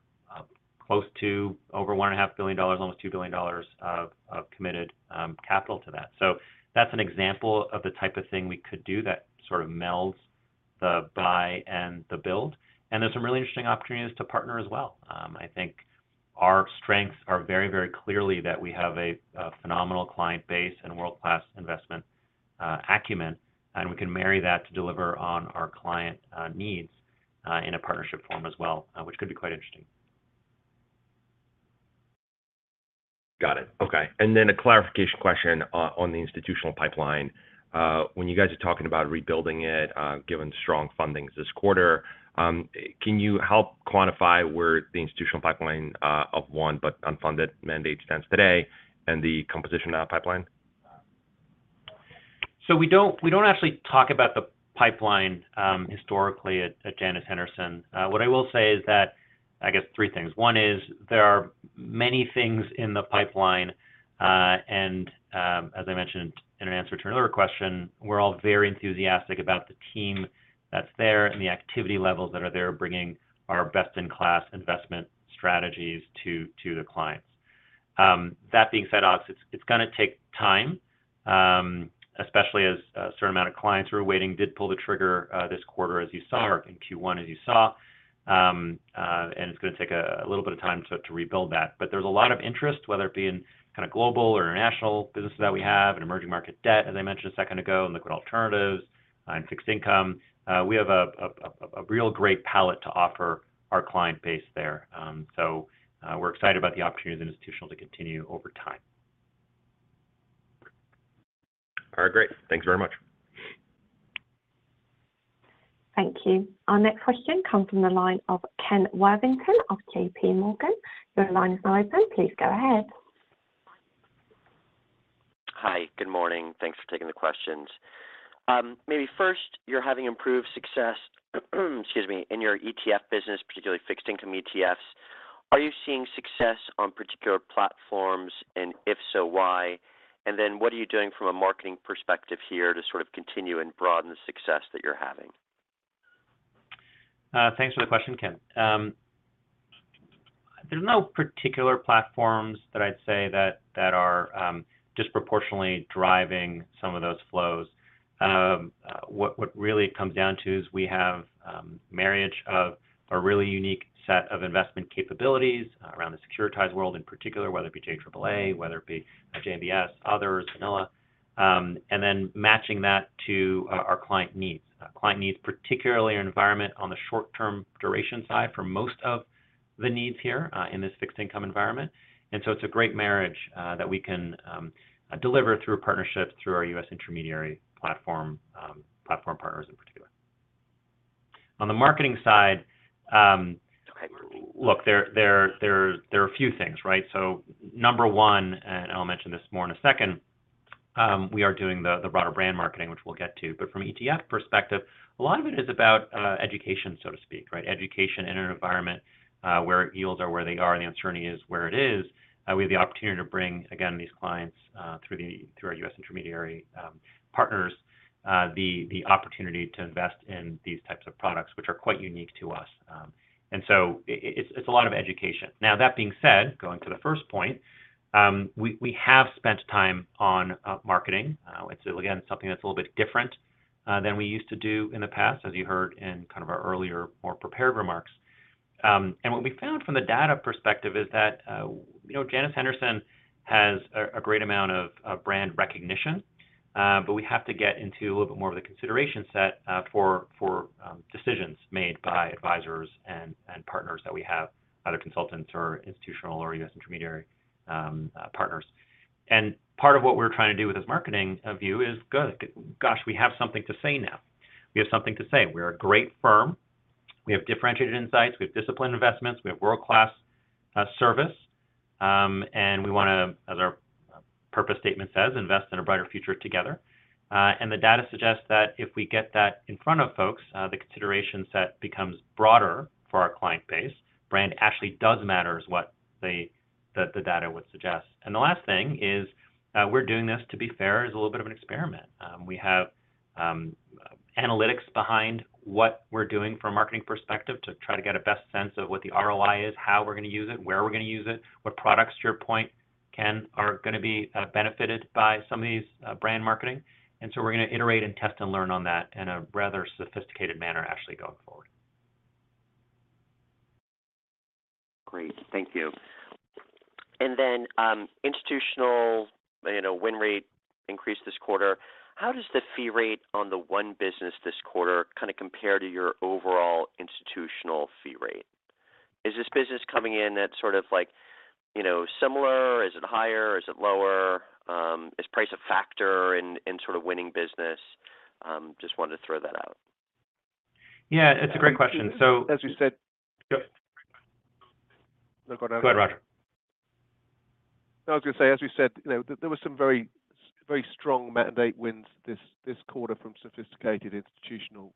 close to over one and a half billion dollars, almost $2 billion of committed capital to that. That's an example of the type of thing we could do that sort of melds the buy and the build. There's some really interesting opportunities to partner as well. I think our strengths are very, very clearly that we have a phenomenal client base and world-class investment acumen, and we can marry that to deliver on our client needs in a partnership form as well, which could be quite interesting. Got it. Okay. A clarification question on the institutional pipeline. When you guys are talking about rebuilding it, given strong fundings this quarter, can you help quantify where the institutional pipeline, of won but unfunded mandate stands today and the composition of that pipeline? We don't actually talk about the pipeline historically at Janus Henderson. What I will say is that, I guess three things. One is there are many things in the pipeline, and as I mentioned in an answer to another question, we're all very enthusiastic about the team that's there and the activity levels that are there, bringing our best-in-class investment strategies to the clients. That being said, Alex, it's gonna take time, especially as a certain amount of clients who are waiting did pull the trigger this quarter as you saw, in Q1, as you saw. And it's gonna take a little bit of time to rebuild that. There's a lot of interest, whether it be in kinda global or international businesses that we have, in emerging market debt, as I mentioned a second ago, in liquid alternatives and fixed income. We have a real great palette to offer our client base there. We're excited about the opportunity as institutional to continue over time. All right, great. Thanks very much. Thank you. Our next question comes from the line of Ken Worthington of J.P. Morgan. Your line is open. Please go ahead. Hi. Good morning. Thanks for taking the questions. Maybe first, you're having improved success, excuse me, in your ETF business, particularly fixed income ETFs. Are you seeing success on particular platforms, and if so, why? Then what are you doing from a marketing perspective here to sort of continue and broaden the success that you're having? Thanks for the question, Ken. There's no particular platforms that I'd say that are disproportionately driving some of those flows. What it really comes down to is we have marriage of a really unique set of investment capabilities around the securitized world in particular, whether it be JAAA, whether it be JMBS, others, VNLA, and then matching that to our client needs. Client needs, particularly in an environment on the short-term duration side for most of the needs here, in this fixed income environment. It's a great marriage that we can deliver through partnerships through our U.S. intermediary platform partners in particular. On the marketing side. Okay Look, there are a few things, right? Number one, and I'll mention this more in a second, we are doing the broader brand marketing, which we'll get to. From ETF perspective, a lot of it is about education, so to speak, right? Education in an environment where yields are where they are, and the uncertainty is where it is. We have the opportunity to bring, again, these clients, through the, through our U.S. intermediary partners, the opportunity to invest in these types of products, which are quite unique to us. It's a lot of education. That being said, going to the first point, we have spent time on marketing. It's again, something that's a little bit different than we used to do in the past, as you heard in kind of our earlier, more prepared remarks. What we found from the data perspective is that, you know, Janus Henderson has a great amount of brand recognition, but we have to get into a little bit more of the consideration set for decisions made by advisors and partners that we have, other consultants or institutional or U.S. intermediary partners. Part of what we're trying to do with this marketing view is go, "Gosh, we have something to say now." We have something to say. We're a great firm. We have differentiated insights. We have disciplined investments. We have world-class service. We wanna, as our purpose statement says, invest in a brighter future together. The data suggests that if we get that in front of folks, the consideration set becomes broader for our client base. Brand actually does matter is what the data would suggest. The last thing is, we're doing this, to be fair, as a little bit of an experiment. We have analytics behind what we're doing from a marketing perspective to try to get a best sense of what the ROI is, how we're gonna use it, where we're gonna use it, what products, to your point, Ken, are gonna be benefited by some of these brand marketing. We're gonna iterate and test and learn on that in a rather sophisticated manner, actually, going forward. Great. Thank you. Then, institutional, you know, win rate increased this quarter. How does the fee rate on the one business this quarter kinda compare to your overall institutional fee rate? Is this business coming in at sort of like, you know, similar? Is it higher? Is it lower? Is price a factor in sort of winning business? Just wanted to throw that out. Yeah, it's a great question. As you said. Go ahead, Roger. I was gonna say, as we said, you know, there was some very, very strong mandate wins this quarter from sophisticated institutional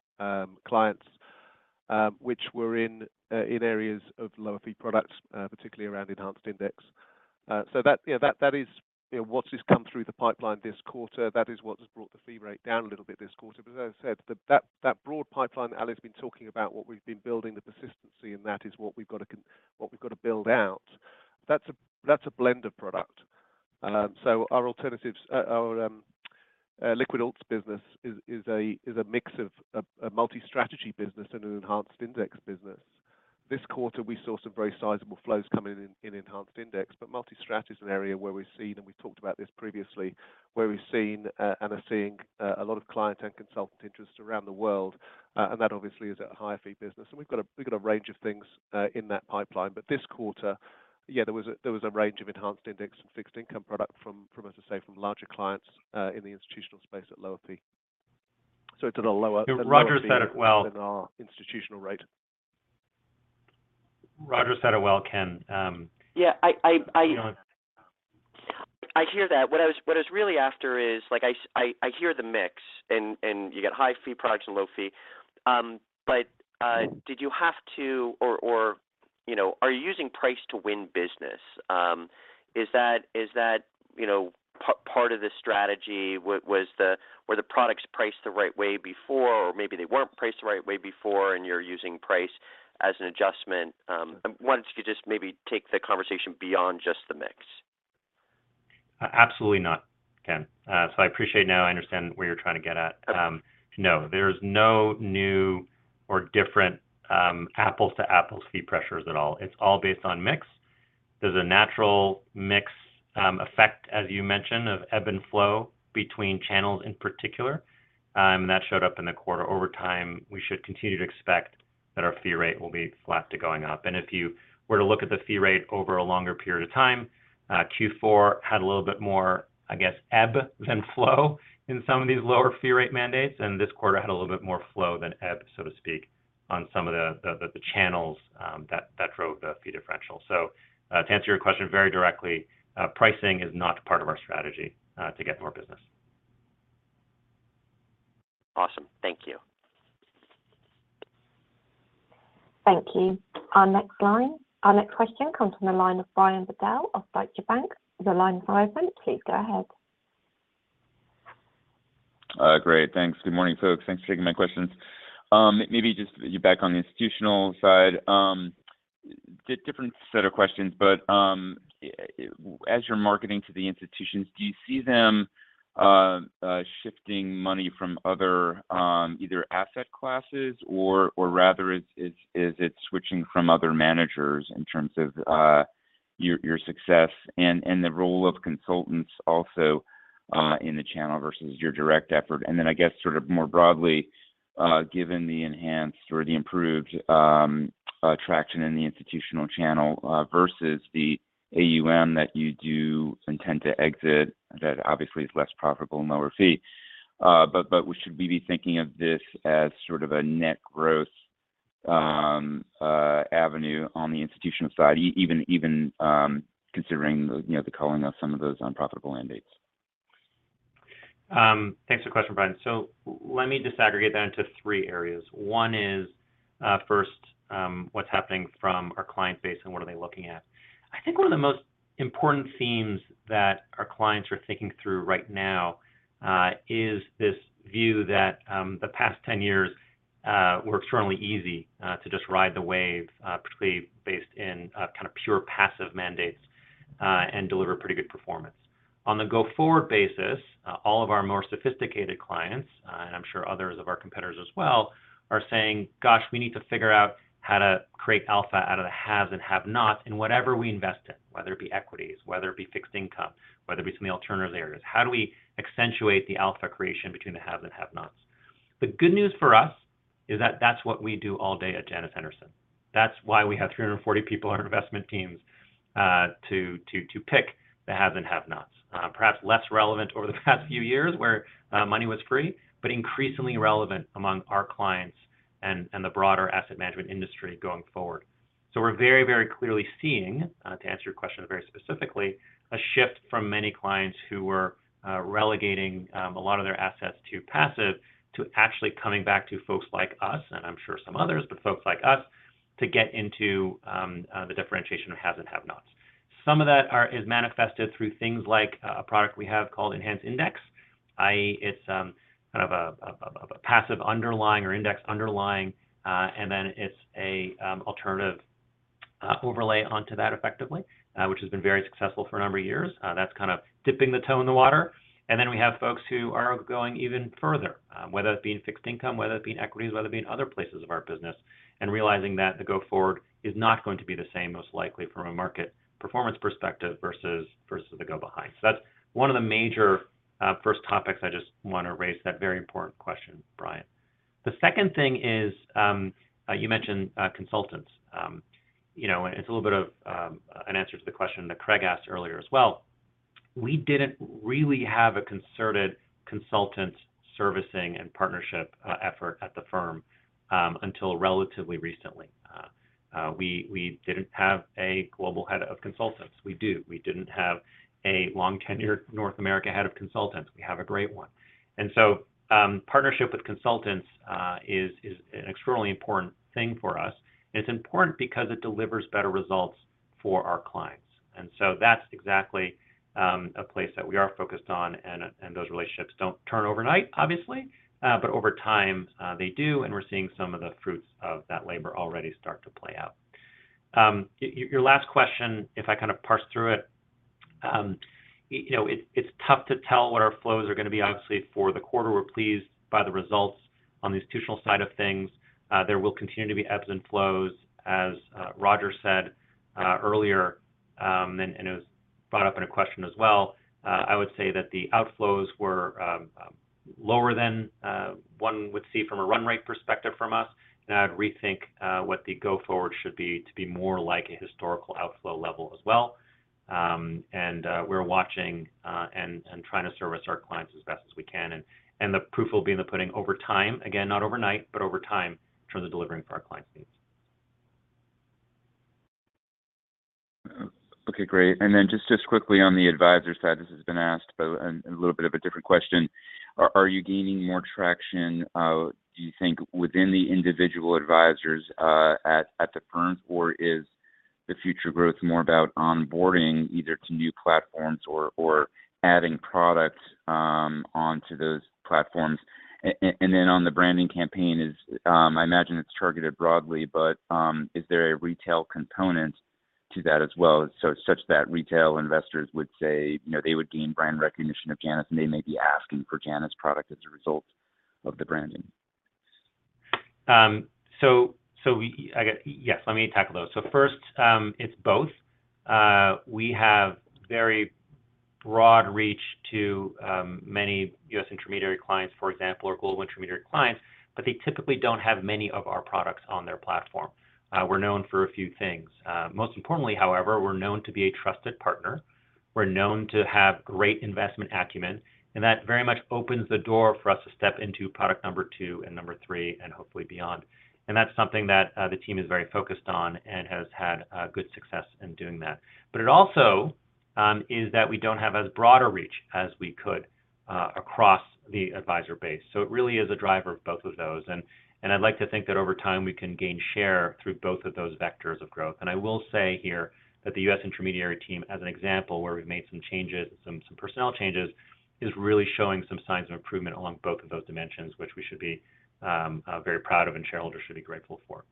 clients, which were in areas of lower fee products, particularly around enhanced index. That, yeah, that is, you know, what has come through the pipeline this quarter. That is what has brought the fee rate down a little bit this quarter. As I said, that broad pipeline Ali's been talking about, what we've been building, the persistency in that is what we've gotta build out. That's a, that's a blend of product. Our alternatives, our liquid alts business is a, is a mix of a multi-strategy business and an enhanced index business. This quarter, we saw some very sizable flows coming in enhanced index, but multi-strat is an area where we've seen, and we've talked about this previously, where we've seen and are seeing a lot of client and consultant interest around the world, and that obviously is a higher fee business. We've got a range of things in that pipeline. This quarter, yeah, there was a range of enhanced index and fixed income product from as I say, from larger clients in the institutional space at lower fee. It's at a lower- Roger said it well. than our institutional rate. Roger said it well, Ken. Yeah. You know. I hear that. What I was really after is, I hear the mix and you get high fee products and low fee. Did you have to, or, you know, are you using price to win business? Is that, you know, part of the strategy? Were the products priced the right way before or maybe they weren't priced the right way before and you're using price as an adjustment? I wanted to just maybe take the conversation beyond just the mix. Absolutely not, Ken. I appreciate now I understand where you're trying to get at. No, there's no new or different apples to apples fee pressures at all. It's all based on mix. There's a natural mix effect, as you mentioned, of ebb and flow between channels in particular, and that showed up in the quarter. Over time, we should continue to expect that our fee rate will be flat to going up. If you were to look at the fee rate over a longer period of time, Q4 had a little bit more, I guess, ebb than flow in some of these lower fee rate mandates, and this quarter had a little bit more flow than ebb, so to speak, on some of the channels that drove the fee differential. To answer your question very directly, pricing is not part of our strategy, to get more business. Awesome. Thank you. Thank you. Our next line. Our next question comes from the line of Brian Bedell of Deutsche Bank. Your line is now open. Please go ahead. Great. Thanks. Good morning, folks. Thanks for taking my questions. Maybe just you back on the institutional side. different set of questions, but as you're marketing to the institutions, do you see them shifting money from other either asset classes or rather is it switching from other managers in terms of your success and the role of consultants also in the channel versus your direct effort? Then I guess sort of more broadly, given the enhanced or the improved traction in the institutional channel versus the AUM that you do intend to exit, that obviously is less profitable and lower fee. Should we be thinking of this as sort of a net growth, avenue on the institutional side even, considering the, you know, the culling of some of those unprofitable mandates? Thanks for the question, Brian. Let me disaggregate that into three areas. One is, first, what's happening from our client base and what are they looking at. I think one of the most important themes that our clients are thinking through right now, is this view that the past 10 years were extremely easy to just ride the wave, particularly based in kind of pure passive mandates, and deliver pretty good performance. On the go-forward basis, all of our more sophisticated clients, and I'm sure others of our competitors as well, are saying, "Gosh, we need to figure out how to create alpha out of the haves and have-nots in whatever we invest in, whether it be equities, whether it be fixed income, whether it be some alternative areas. How do we accentuate the alpha creation between the haves and have-nots?" The good news for us is that that's what we do all day at Janus Henderson. That's why we have 340 people on our investment teams to pick the haves and have-nots. Perhaps less relevant over the past few years where money was free, but increasingly relevant among our clients and the broader asset management industry going forward. We're very, very clearly seeing, to answer your question very specifically, a shift from many clients who were relegating a lot of their assets to passive to actually coming back to folks like us, and I'm sure some others, but folks like us to get into the differentiation of haves and have-nots. Some of that is manifested through things like a product we have called Enhanced Index, i.e., it's kind of a passive underlying or index underlying, and then it's an alternative overlay onto that effectively, which has been very successful for a number of years. That's kind of dipping the toe in the water. And then we have folks who are going even further, whether it being fixed income, whether it being equities, whether it being other places of our business, and realizing that the go forward is not going to be the same, most likely from a market performance perspective versus the go behind. That's one of the major first topics I just want to raise that very important question, Brian. The second thing is, you mentioned consultants. You know, it's a little bit of an answer to the question that Craig asked earlier as well. We didn't really have a concerted consultant servicing and partnership effort at the firm until relatively recently. We didn't have a global head of consultants. We didn't have a long tenured North America head of consultants. We have a great one. Partnership with consultants is an extremely important thing for us. It's important because it delivers better results for our clients. That's exactly a place that we are focused on and those relationships don't turn overnight, obviously. Over time, they do, and we're seeing some of the fruits of that labor already start to play out. Your last question, if I kind of parse through it, you know, it's tough to tell what our flows are gonna be. Obviously, for the quarter, we're pleased by the results on the institutional side of things. There will continue to be ebbs and flows, as Roger said earlier, and it was brought up in a question as well. I would say that the outflows were lower than one would see from a run rate perspective from us. I'd rethink what the go forward should be to be more like a historical outflow level as well. We're watching and trying to service our clients as best as we can. The proof will be in the pudding over time, again, not overnight, but over time in terms of delivering for our clients' needs. Okay, great. Just quickly on the advisor side, this has been asked, but a little bit of a different question. Are you gaining more traction, do you think, within the individual advisors, at the firm, or is the future growth more about onboarding either to new platforms or adding products onto those platforms? And then on the branding campaign is, I imagine it's targeted broadly, but is there a retail component to that as well so such that retail investors would say, you know, they would gain brand recognition of Janus, and they may be asking for Janus product as a result of the branding? I guess, yes, let me tackle those. First, it's both. We have very broad reach to many U.S. intermediary clients, for example, or global intermediary clients, but they typically don't have many of our products on their platform. We're known for a few things. Most importantly, however, we're known to be a trusted partner. We're known to have great investment acumen, and that very much opens the door for us to step into product two and three and hopefully beyond. That's something that the team is very focused on and has had good success in doing that. It also is that we don't have as broader reach as we could across the advisor base. It really is a driver of both of those. I'd like to think that over time, we can gain share through both of those vectors of growth. I will say here that the U.S. intermediary team, as an example, where we've made some changes, some personnel changes, is really showing some signs of improvement along both of those dimensions, which we should be very proud of and shareholders should be grateful for.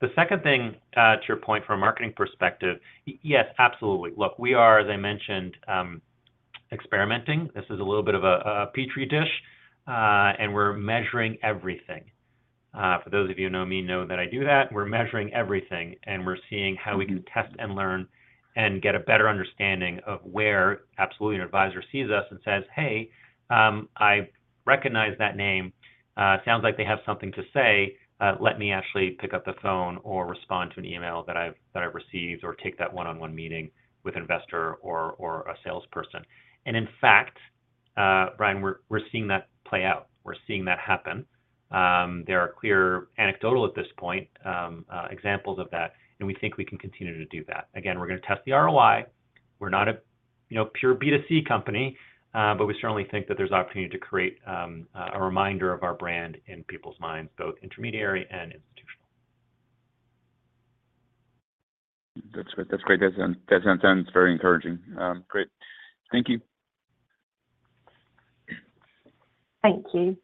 The second thing to your point from a marketing perspective, yes, absolutely. Look, we are, as I mentioned, experimenting. This is a little bit of a Petri dish, and we're measuring everything. For those of you who know me know that I do that. We're measuring everything, and we're seeing how we can test and learn and get a better understanding of where absolutely an advisor sees us and says, "Hey, I recognize that name. Sounds like they have something to say. Let me actually pick up the phone or respond to an email that I've received, or take that one-on-one meeting with investor or a salesperson. In fact, Brian, we're seeing that play out. We're seeing that happen. There are clear anecdotal at this point, examples of that, and we think we can continue to do that. Again, we're gonna test the ROI. We're not a, you know, pure B2C company, but we certainly think that there's opportunity to create a reminder of our brand in people's minds, both intermediary and institutional. That's great. That sounds, that sounds very encouraging. great. Thank you. Thank you.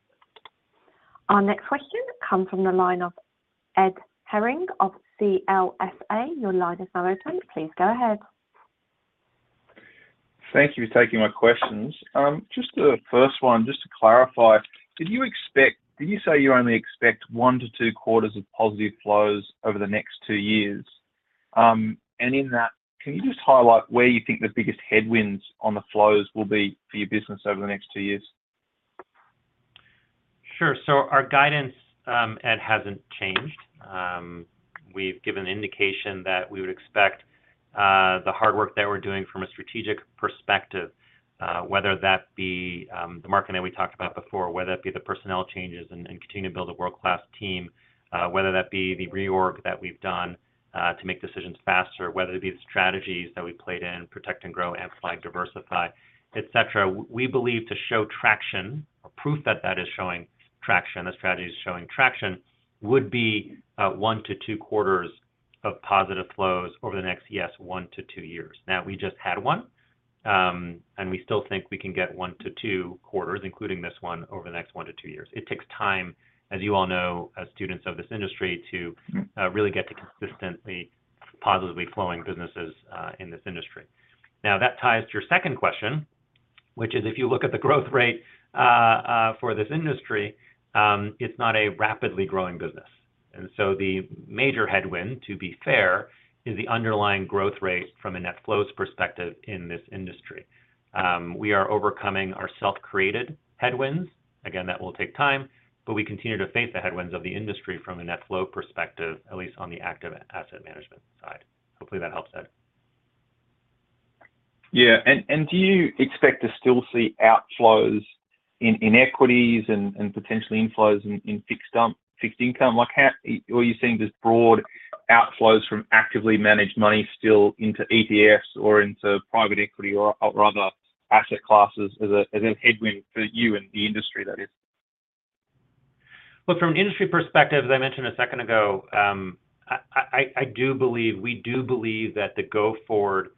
Our next question come from the line of Ed Henning of CLSA. Your line is now open. Please go ahead. Thank you for taking my questions. Just the first one, just to clarify, did you say you only expect one to two quarters of positive flows over the next two years? In that, can you just highlight where you think the biggest headwinds on the flows will be for your business over the next two years? Sure. Our guidance, Ed, hasn't changed. We've given indication that we would expect the hard work that we're doing from a strategic perspective, whether that be the marketing that we talked about before, whether that be the personnel changes and continue to build a world-class team, whether that be the reorg that we've done to make decisions faster, whether it be the strategies that we played in, protect and grow, amplify, diversify, et cetera, we believe to show traction or proof that that is showing traction, the strategy is showing traction would be one to two quarters of positive flows over the next, yes, one to two years. Now, we just had one, and we still think we can get one to two quarters, including this one, over the next one to two years. It takes time, as you all know, as students of this industry, to really get to consistently positively flowing businesses in this industry. That ties to your second question, which is if you look at the growth rate for this industry, it's not a rapidly growing business. The major headwind, to be fair, is the underlying growth rate from a net flows perspective in this industry. We are overcoming our self-created headwinds. Again, that will take time, but we continue to face the headwinds of the industry from a net flow perspective, at least on the active asset management side. Hopefully, that helps, Ed. Yeah. Do you expect to still see outflows in equities and potentially inflows in fixed income? Like are you seeing this broad outflows from actively managed money still into ETFs or into private equity or other asset classes as a headwind for you and the industry, that is? Look, from an industry perspective, as I mentioned a second ago, I do believe, we do believe that the go-forward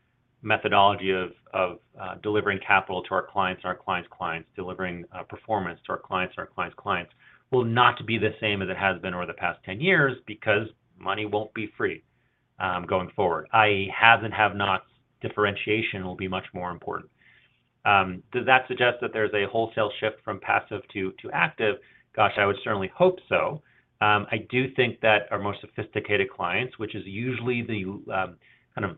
methodology of delivering capital to our clients and our clients' clients, delivering performance to our clients and our clients' clients will not be the same as it has been over the past 10 years because money won't be free going forward, i.e. haves and have-nots differentiation will be much more important. Does that suggest that there's a wholesale shift from passive to active? Gosh, I would certainly hope so. I do think that our most sophisticated clients, which is usually the kind of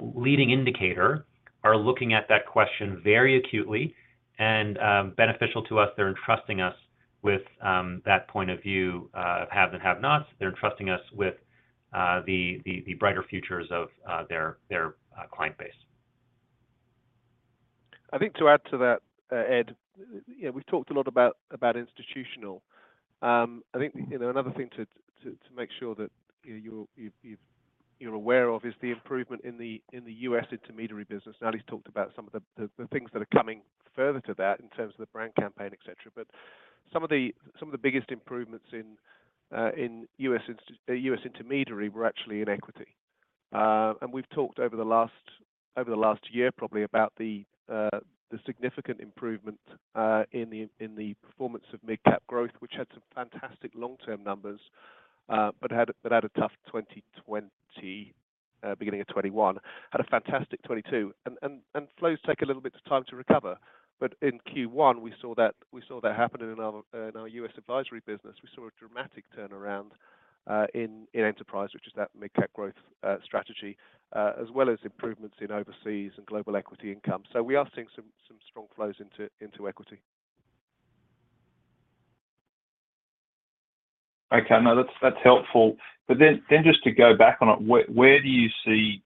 leading indicator are looking at that question very acutely and beneficial to us. They're entrusting us with that point of view of haves and have-nots. They're entrusting us with the brighter futures of their client base. I think to add to that, Ed, yeah, we've talked a lot about institutional. I think, you know, another thing to, to make sure that, you know, you, you've, you're aware of is the improvement in the, in the U.S. intermediary business. Ali's talked about some of the, the things that are coming further to that in terms of the brand campaign, et cetera. Some of the, some of the biggest improvements in U.S. intermediary were actually in equity. We've talked over the last, over the last year probably about the significant improvement in the, in the performance of mid-cap growth, which had some fantastic long-term numbers, but had a tough 2020, beginning of 2021. Had a fantastic 2022. Flows take a little bit of time to recover. In Q1, we saw that happen in our U.S. advisory business. We saw a dramatic turnaround in Enterprise, which is that U.S. mid-cap growth strategy, as well as improvements in Overseas and Global Equity Income. We are seeing some strong flows into equity. Okay. No, that's helpful. Just to go back on it, where do you see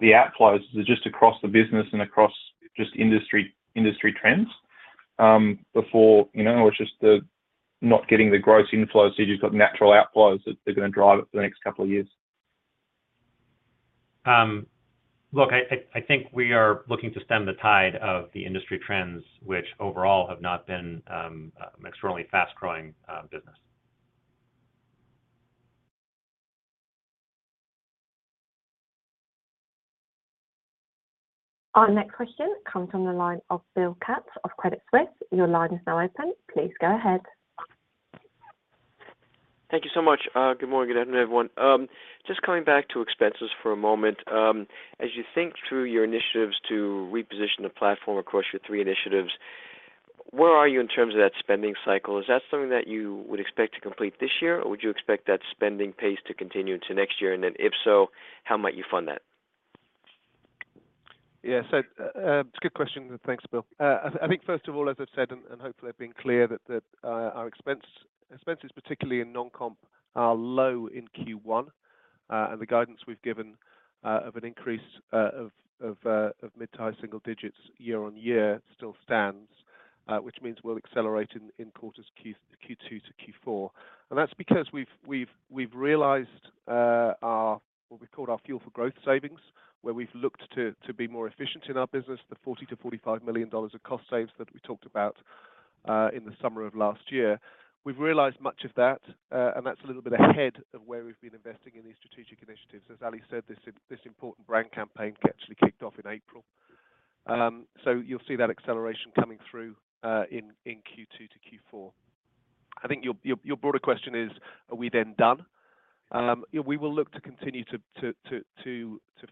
the outflows? Is it just across the business and across just industry trends, before, you know, it's just the not getting the gross inflows, so you've just got natural outflows that they're gonna drive it for the next couple of years? Look, I think we are looking to stem the tide of the industry trends, which overall have not been extremely fast-growing business. Our next question comes from the line of Bill Katz of Credit Suisse. Your line is now open. Please go ahead. Thank you so much. Good morning, good afternoon, everyone. Just coming back to expenses for a moment. As you think through your initiatives to reposition the platform across your three initiatives, where are you in terms of that spending cycle? Is that something that you would expect to complete this year, or would you expect that spending pace to continue into next year? If so, how might you fund that? Yeah. It's a good question. Thanks, Bill. I think first of all, as I've said, and hopefully I've been clear that our expenses, particularly in non-comp, are low in Q1. The guidance we've given of an increase of mid-tier single digits year-on-year still stands. Which means we'll accelerate in quarters Q2 to Q4. That's because we've realized our what we call our Fuel for Growth savings, where we've looked to be more efficient in our business, the $40 million-$45 million of cost saves that we talked about in the summer of last year. We've realized much of that, and that's a little bit ahead of where we've been investing in these strategic initiatives. As Ali said, this important brand campaign actually kicked off in April. You'll see that acceleration coming through in Q2 to Q4. I think your broader question is, are we then done? Yeah, we will look to continue to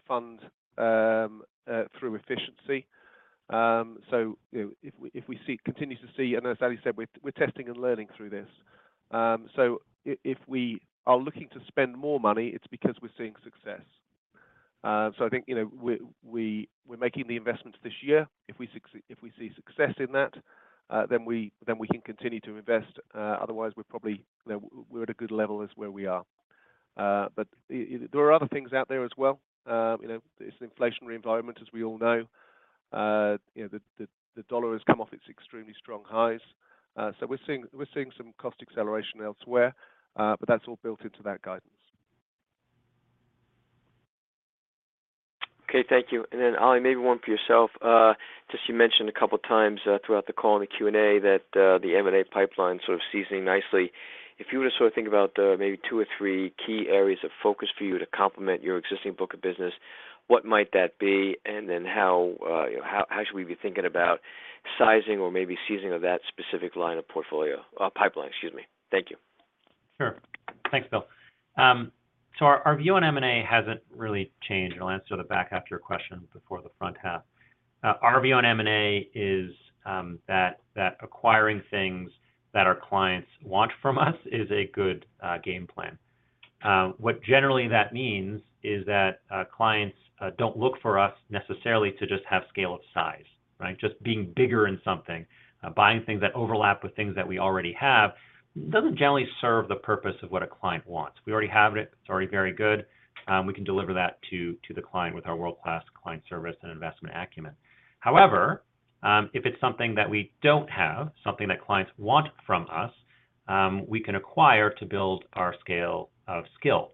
fund through efficiency. You know, if we continue to see, and as Ali said, we're testing and learning through this. If we are looking to spend more money, it's because we're seeing success. I think, you know, we're making the investments this year. If we see success in that, then we can continue to invest. Otherwise, we're probably, we're at a good level is where we are. There are other things out there as well. You know, it's an inflationary environment, as we all know. You know, the dollar has come off its extremely strong highs. We're seeing some cost acceleration elsewhere, but that's all built into that guidance. Okay. Thank you. Ali, maybe one for yourself. Just you mentioned a couple times throughout the call in the Q&A that the M&A pipeline sort of seasoning nicely. If you were to sort of think about maybe two or three key areas of focus for you to complement your existing book of business, what might that be? And then how, you know, how should we be thinking about sizing or maybe seasoning of that specific line of portfolio, pipeline, excuse me. Thank you. Sure. Thanks, Bill. Our view on M&A hasn't really changed. I'll answer the back half of your question before the front half. Our view on M&A is that acquiring things that our clients want from us is a good game plan. What generally that means is that clients don't look for us necessarily to just have scale of size, right? Just being bigger in something, buying things that overlap with things that we already have doesn't generally serve the purpose of what a client wants. We already have it. It's already very good. We can deliver that to the client with our world-class client service and investment acumen. However, if it's something that we don't have, something that clients want from us, we can acquire to build our scale of skill.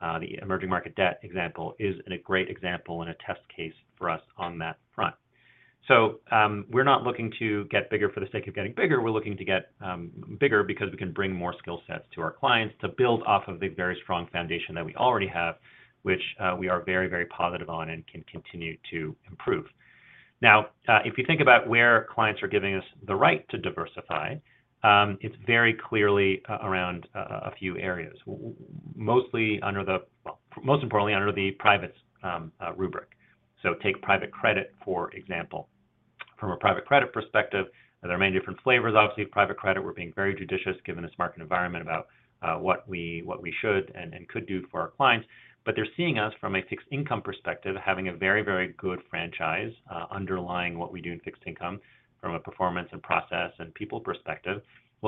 The emerging market debt example is a great example and a test case for us on that front. We're not looking to get bigger for the sake of getting bigger. We're looking to get bigger because we can bring more skill sets to our clients to build off of the very strong foundation that we already have, which we are very, very positive on and can continue to improve. If you think about where clients are giving us the right to diversify, it's very clearly around a few areas, which most importantly under the privates rubric. Take private credit, for example. From a private credit perspective, there are many different flavors. Obviously, private credit, we're being very judicious given this market environment about what we should and could do for our clients. They're seeing us from a fixed income perspective, having a very good franchise underlying what we do in fixed income from a performance and process and people perspective.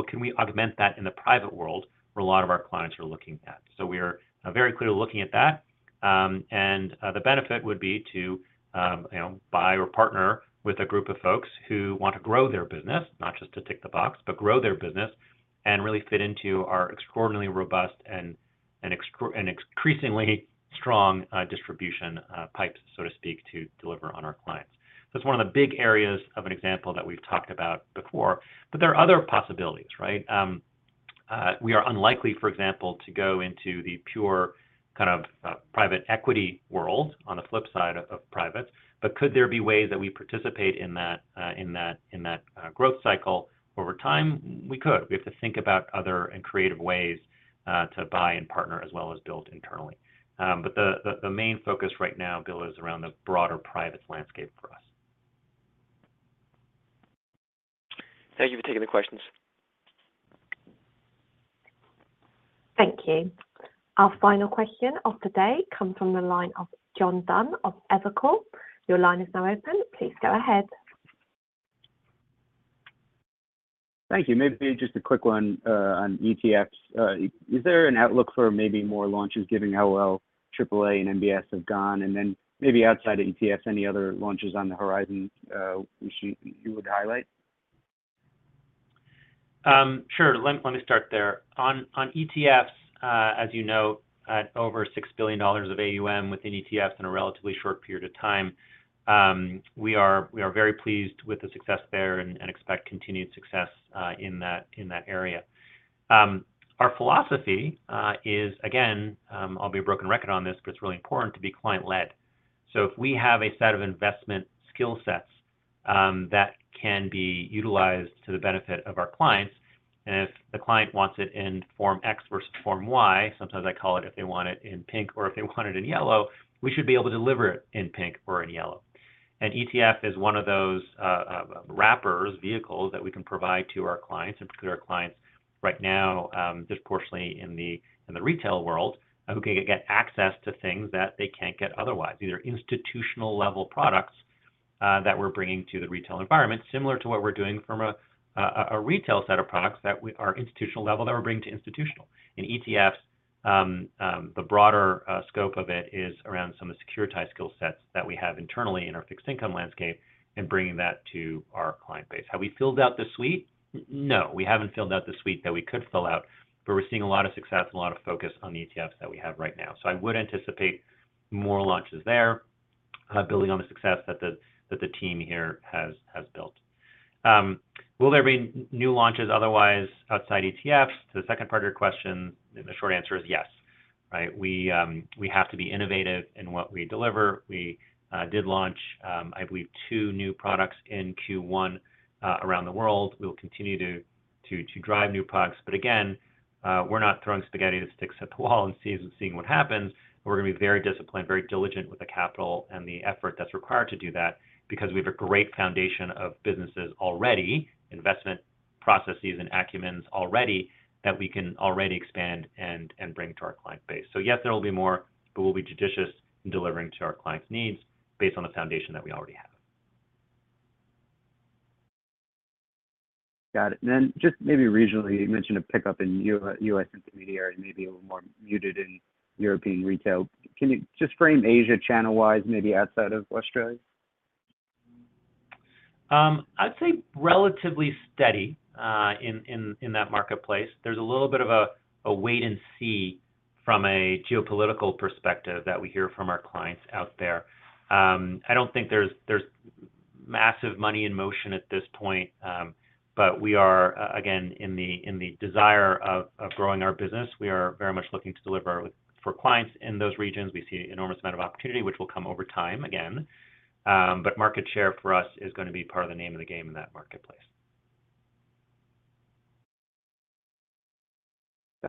Can we augment that in the private world where a lot of our clients are looking at? We are very clearly looking at that. The benefit would be to, you know, buy or partner with a group of folks who want to grow their business, not just to tick the box, but grow their business and really fit into our extraordinarily robust and increasingly strong distribution pipes, so to speak, to deliver on our clients. That's one of the big areas of an example that we've talked about before, there are other possibilities, right? We are unlikely, for example, to go into the pure kind of private equity world on the flip side of privates. Could there be ways that we participate in that growth cycle over time? We could. We have to think about other and creative ways to buy and partner as well as build internally. The main focus right now, Bill, is around the broader privates landscape for us. Thank you for taking the questions. Thank you. Our final question of the day comes from the line of John Dunn of Evercore. Your line is now open. Please go ahead. Thank you. Maybe just a quick one, on ETFs. Is there an outlook for maybe more launches giving how well AAA and MBS have gone? Maybe outside of ETFs, any other launches on the horizon, you would highlight? Sure. Let me start there. On ETFs, as you know, at over $6 billion of AUM within ETFs in a relatively short period of time, we are very pleased with the success there and expect continued success in that area. Our philosophy is, again, I'll be a broken record on this, but it's really important to be client-led. If we have a set of investment skill sets, that can be utilized to the benefit of our clients, and if the client wants it in form X versus form Y, sometimes I call it if they want it in pink or if they want it in yellow, we should be able to deliver it in pink or in yellow. An ETF is one of those wrappers, vehicles that we can provide to our clients, in particular our clients right now, disproportionately in the retail world, who can get access to things that they can't get otherwise. These are institutional-level products that we're bringing to the retail environment, similar to what we're doing from a retail set of products that are institutional level that we're bringing to institutional. In ETFs, the broader scope of it is around some of the securitized skill sets that we have internally in our fixed income landscape and bringing that to our client base. Have we filled out the suite? No, we haven't filled out the suite that we could fill out, but we're seeing a lot of success and a lot of focus on the ETFs that we have right now. I would anticipate more launches there, building on the success that the team here has built. Will there be new launches otherwise outside ETFs? To the second part of your question, the short answer is yes, right? We have to be innovative in what we deliver. We did launch, I believe, two new products in Q1 around the world. We will continue to drive new products. Again, we're not throwing spaghetti at sticks at the wall and seeing what happens. We're gonna be very disciplined, very diligent with the capital and the effort that's required to do that because we have a great foundation of businesses already, investment processes and acumens already that we can already expand and bring to our client base. Yes, there will be more, but we'll be judicious in delivering to our clients' needs based on the foundation that we already have. Got it. Then just maybe regionally, you mentioned a pickup in U.S. intermediary and maybe a more muted in European retail. Can you just frame Asia channel-wise, maybe outside of Australia? I'd say relatively steady in that marketplace. There's a little bit of a wait and see from a geopolitical perspective that we hear from our clients out there. I don't think there's massive money in motion at this point. We are, again, in the desire of growing our business. We are very much looking to deliver for clients in those regions. We see an enormous amount of opportunity which will come over time again. Market share for us is gonna be part of the name of the game in that marketplace.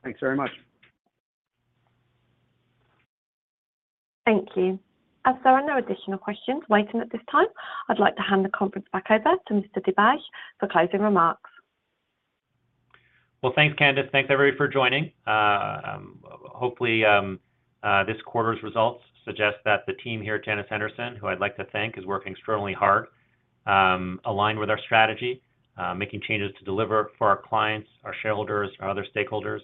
Thanks very much. Thank you. As there are no additional questions waiting at this time, I'd like to hand the conference back over to Mr. Dibadj for closing remarks. Well, thanks, Candice. Thanks, everybody, for joining. Hopefully, this quarter's results suggest that the team here at Janus Henderson, who I'd like to thank, is working extremely hard, aligned with our strategy, making changes to deliver for our clients, our shareholders, our other stakeholders.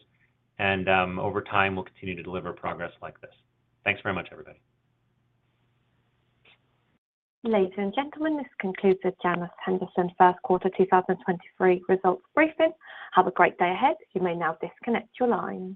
Over time, we'll continue to deliver progress like this. Thanks very much, everybody. Ladies and gentlemen, this concludes the Janus Henderson first quarter 2023 results briefing. Have a great day ahead. You may now disconnect your line.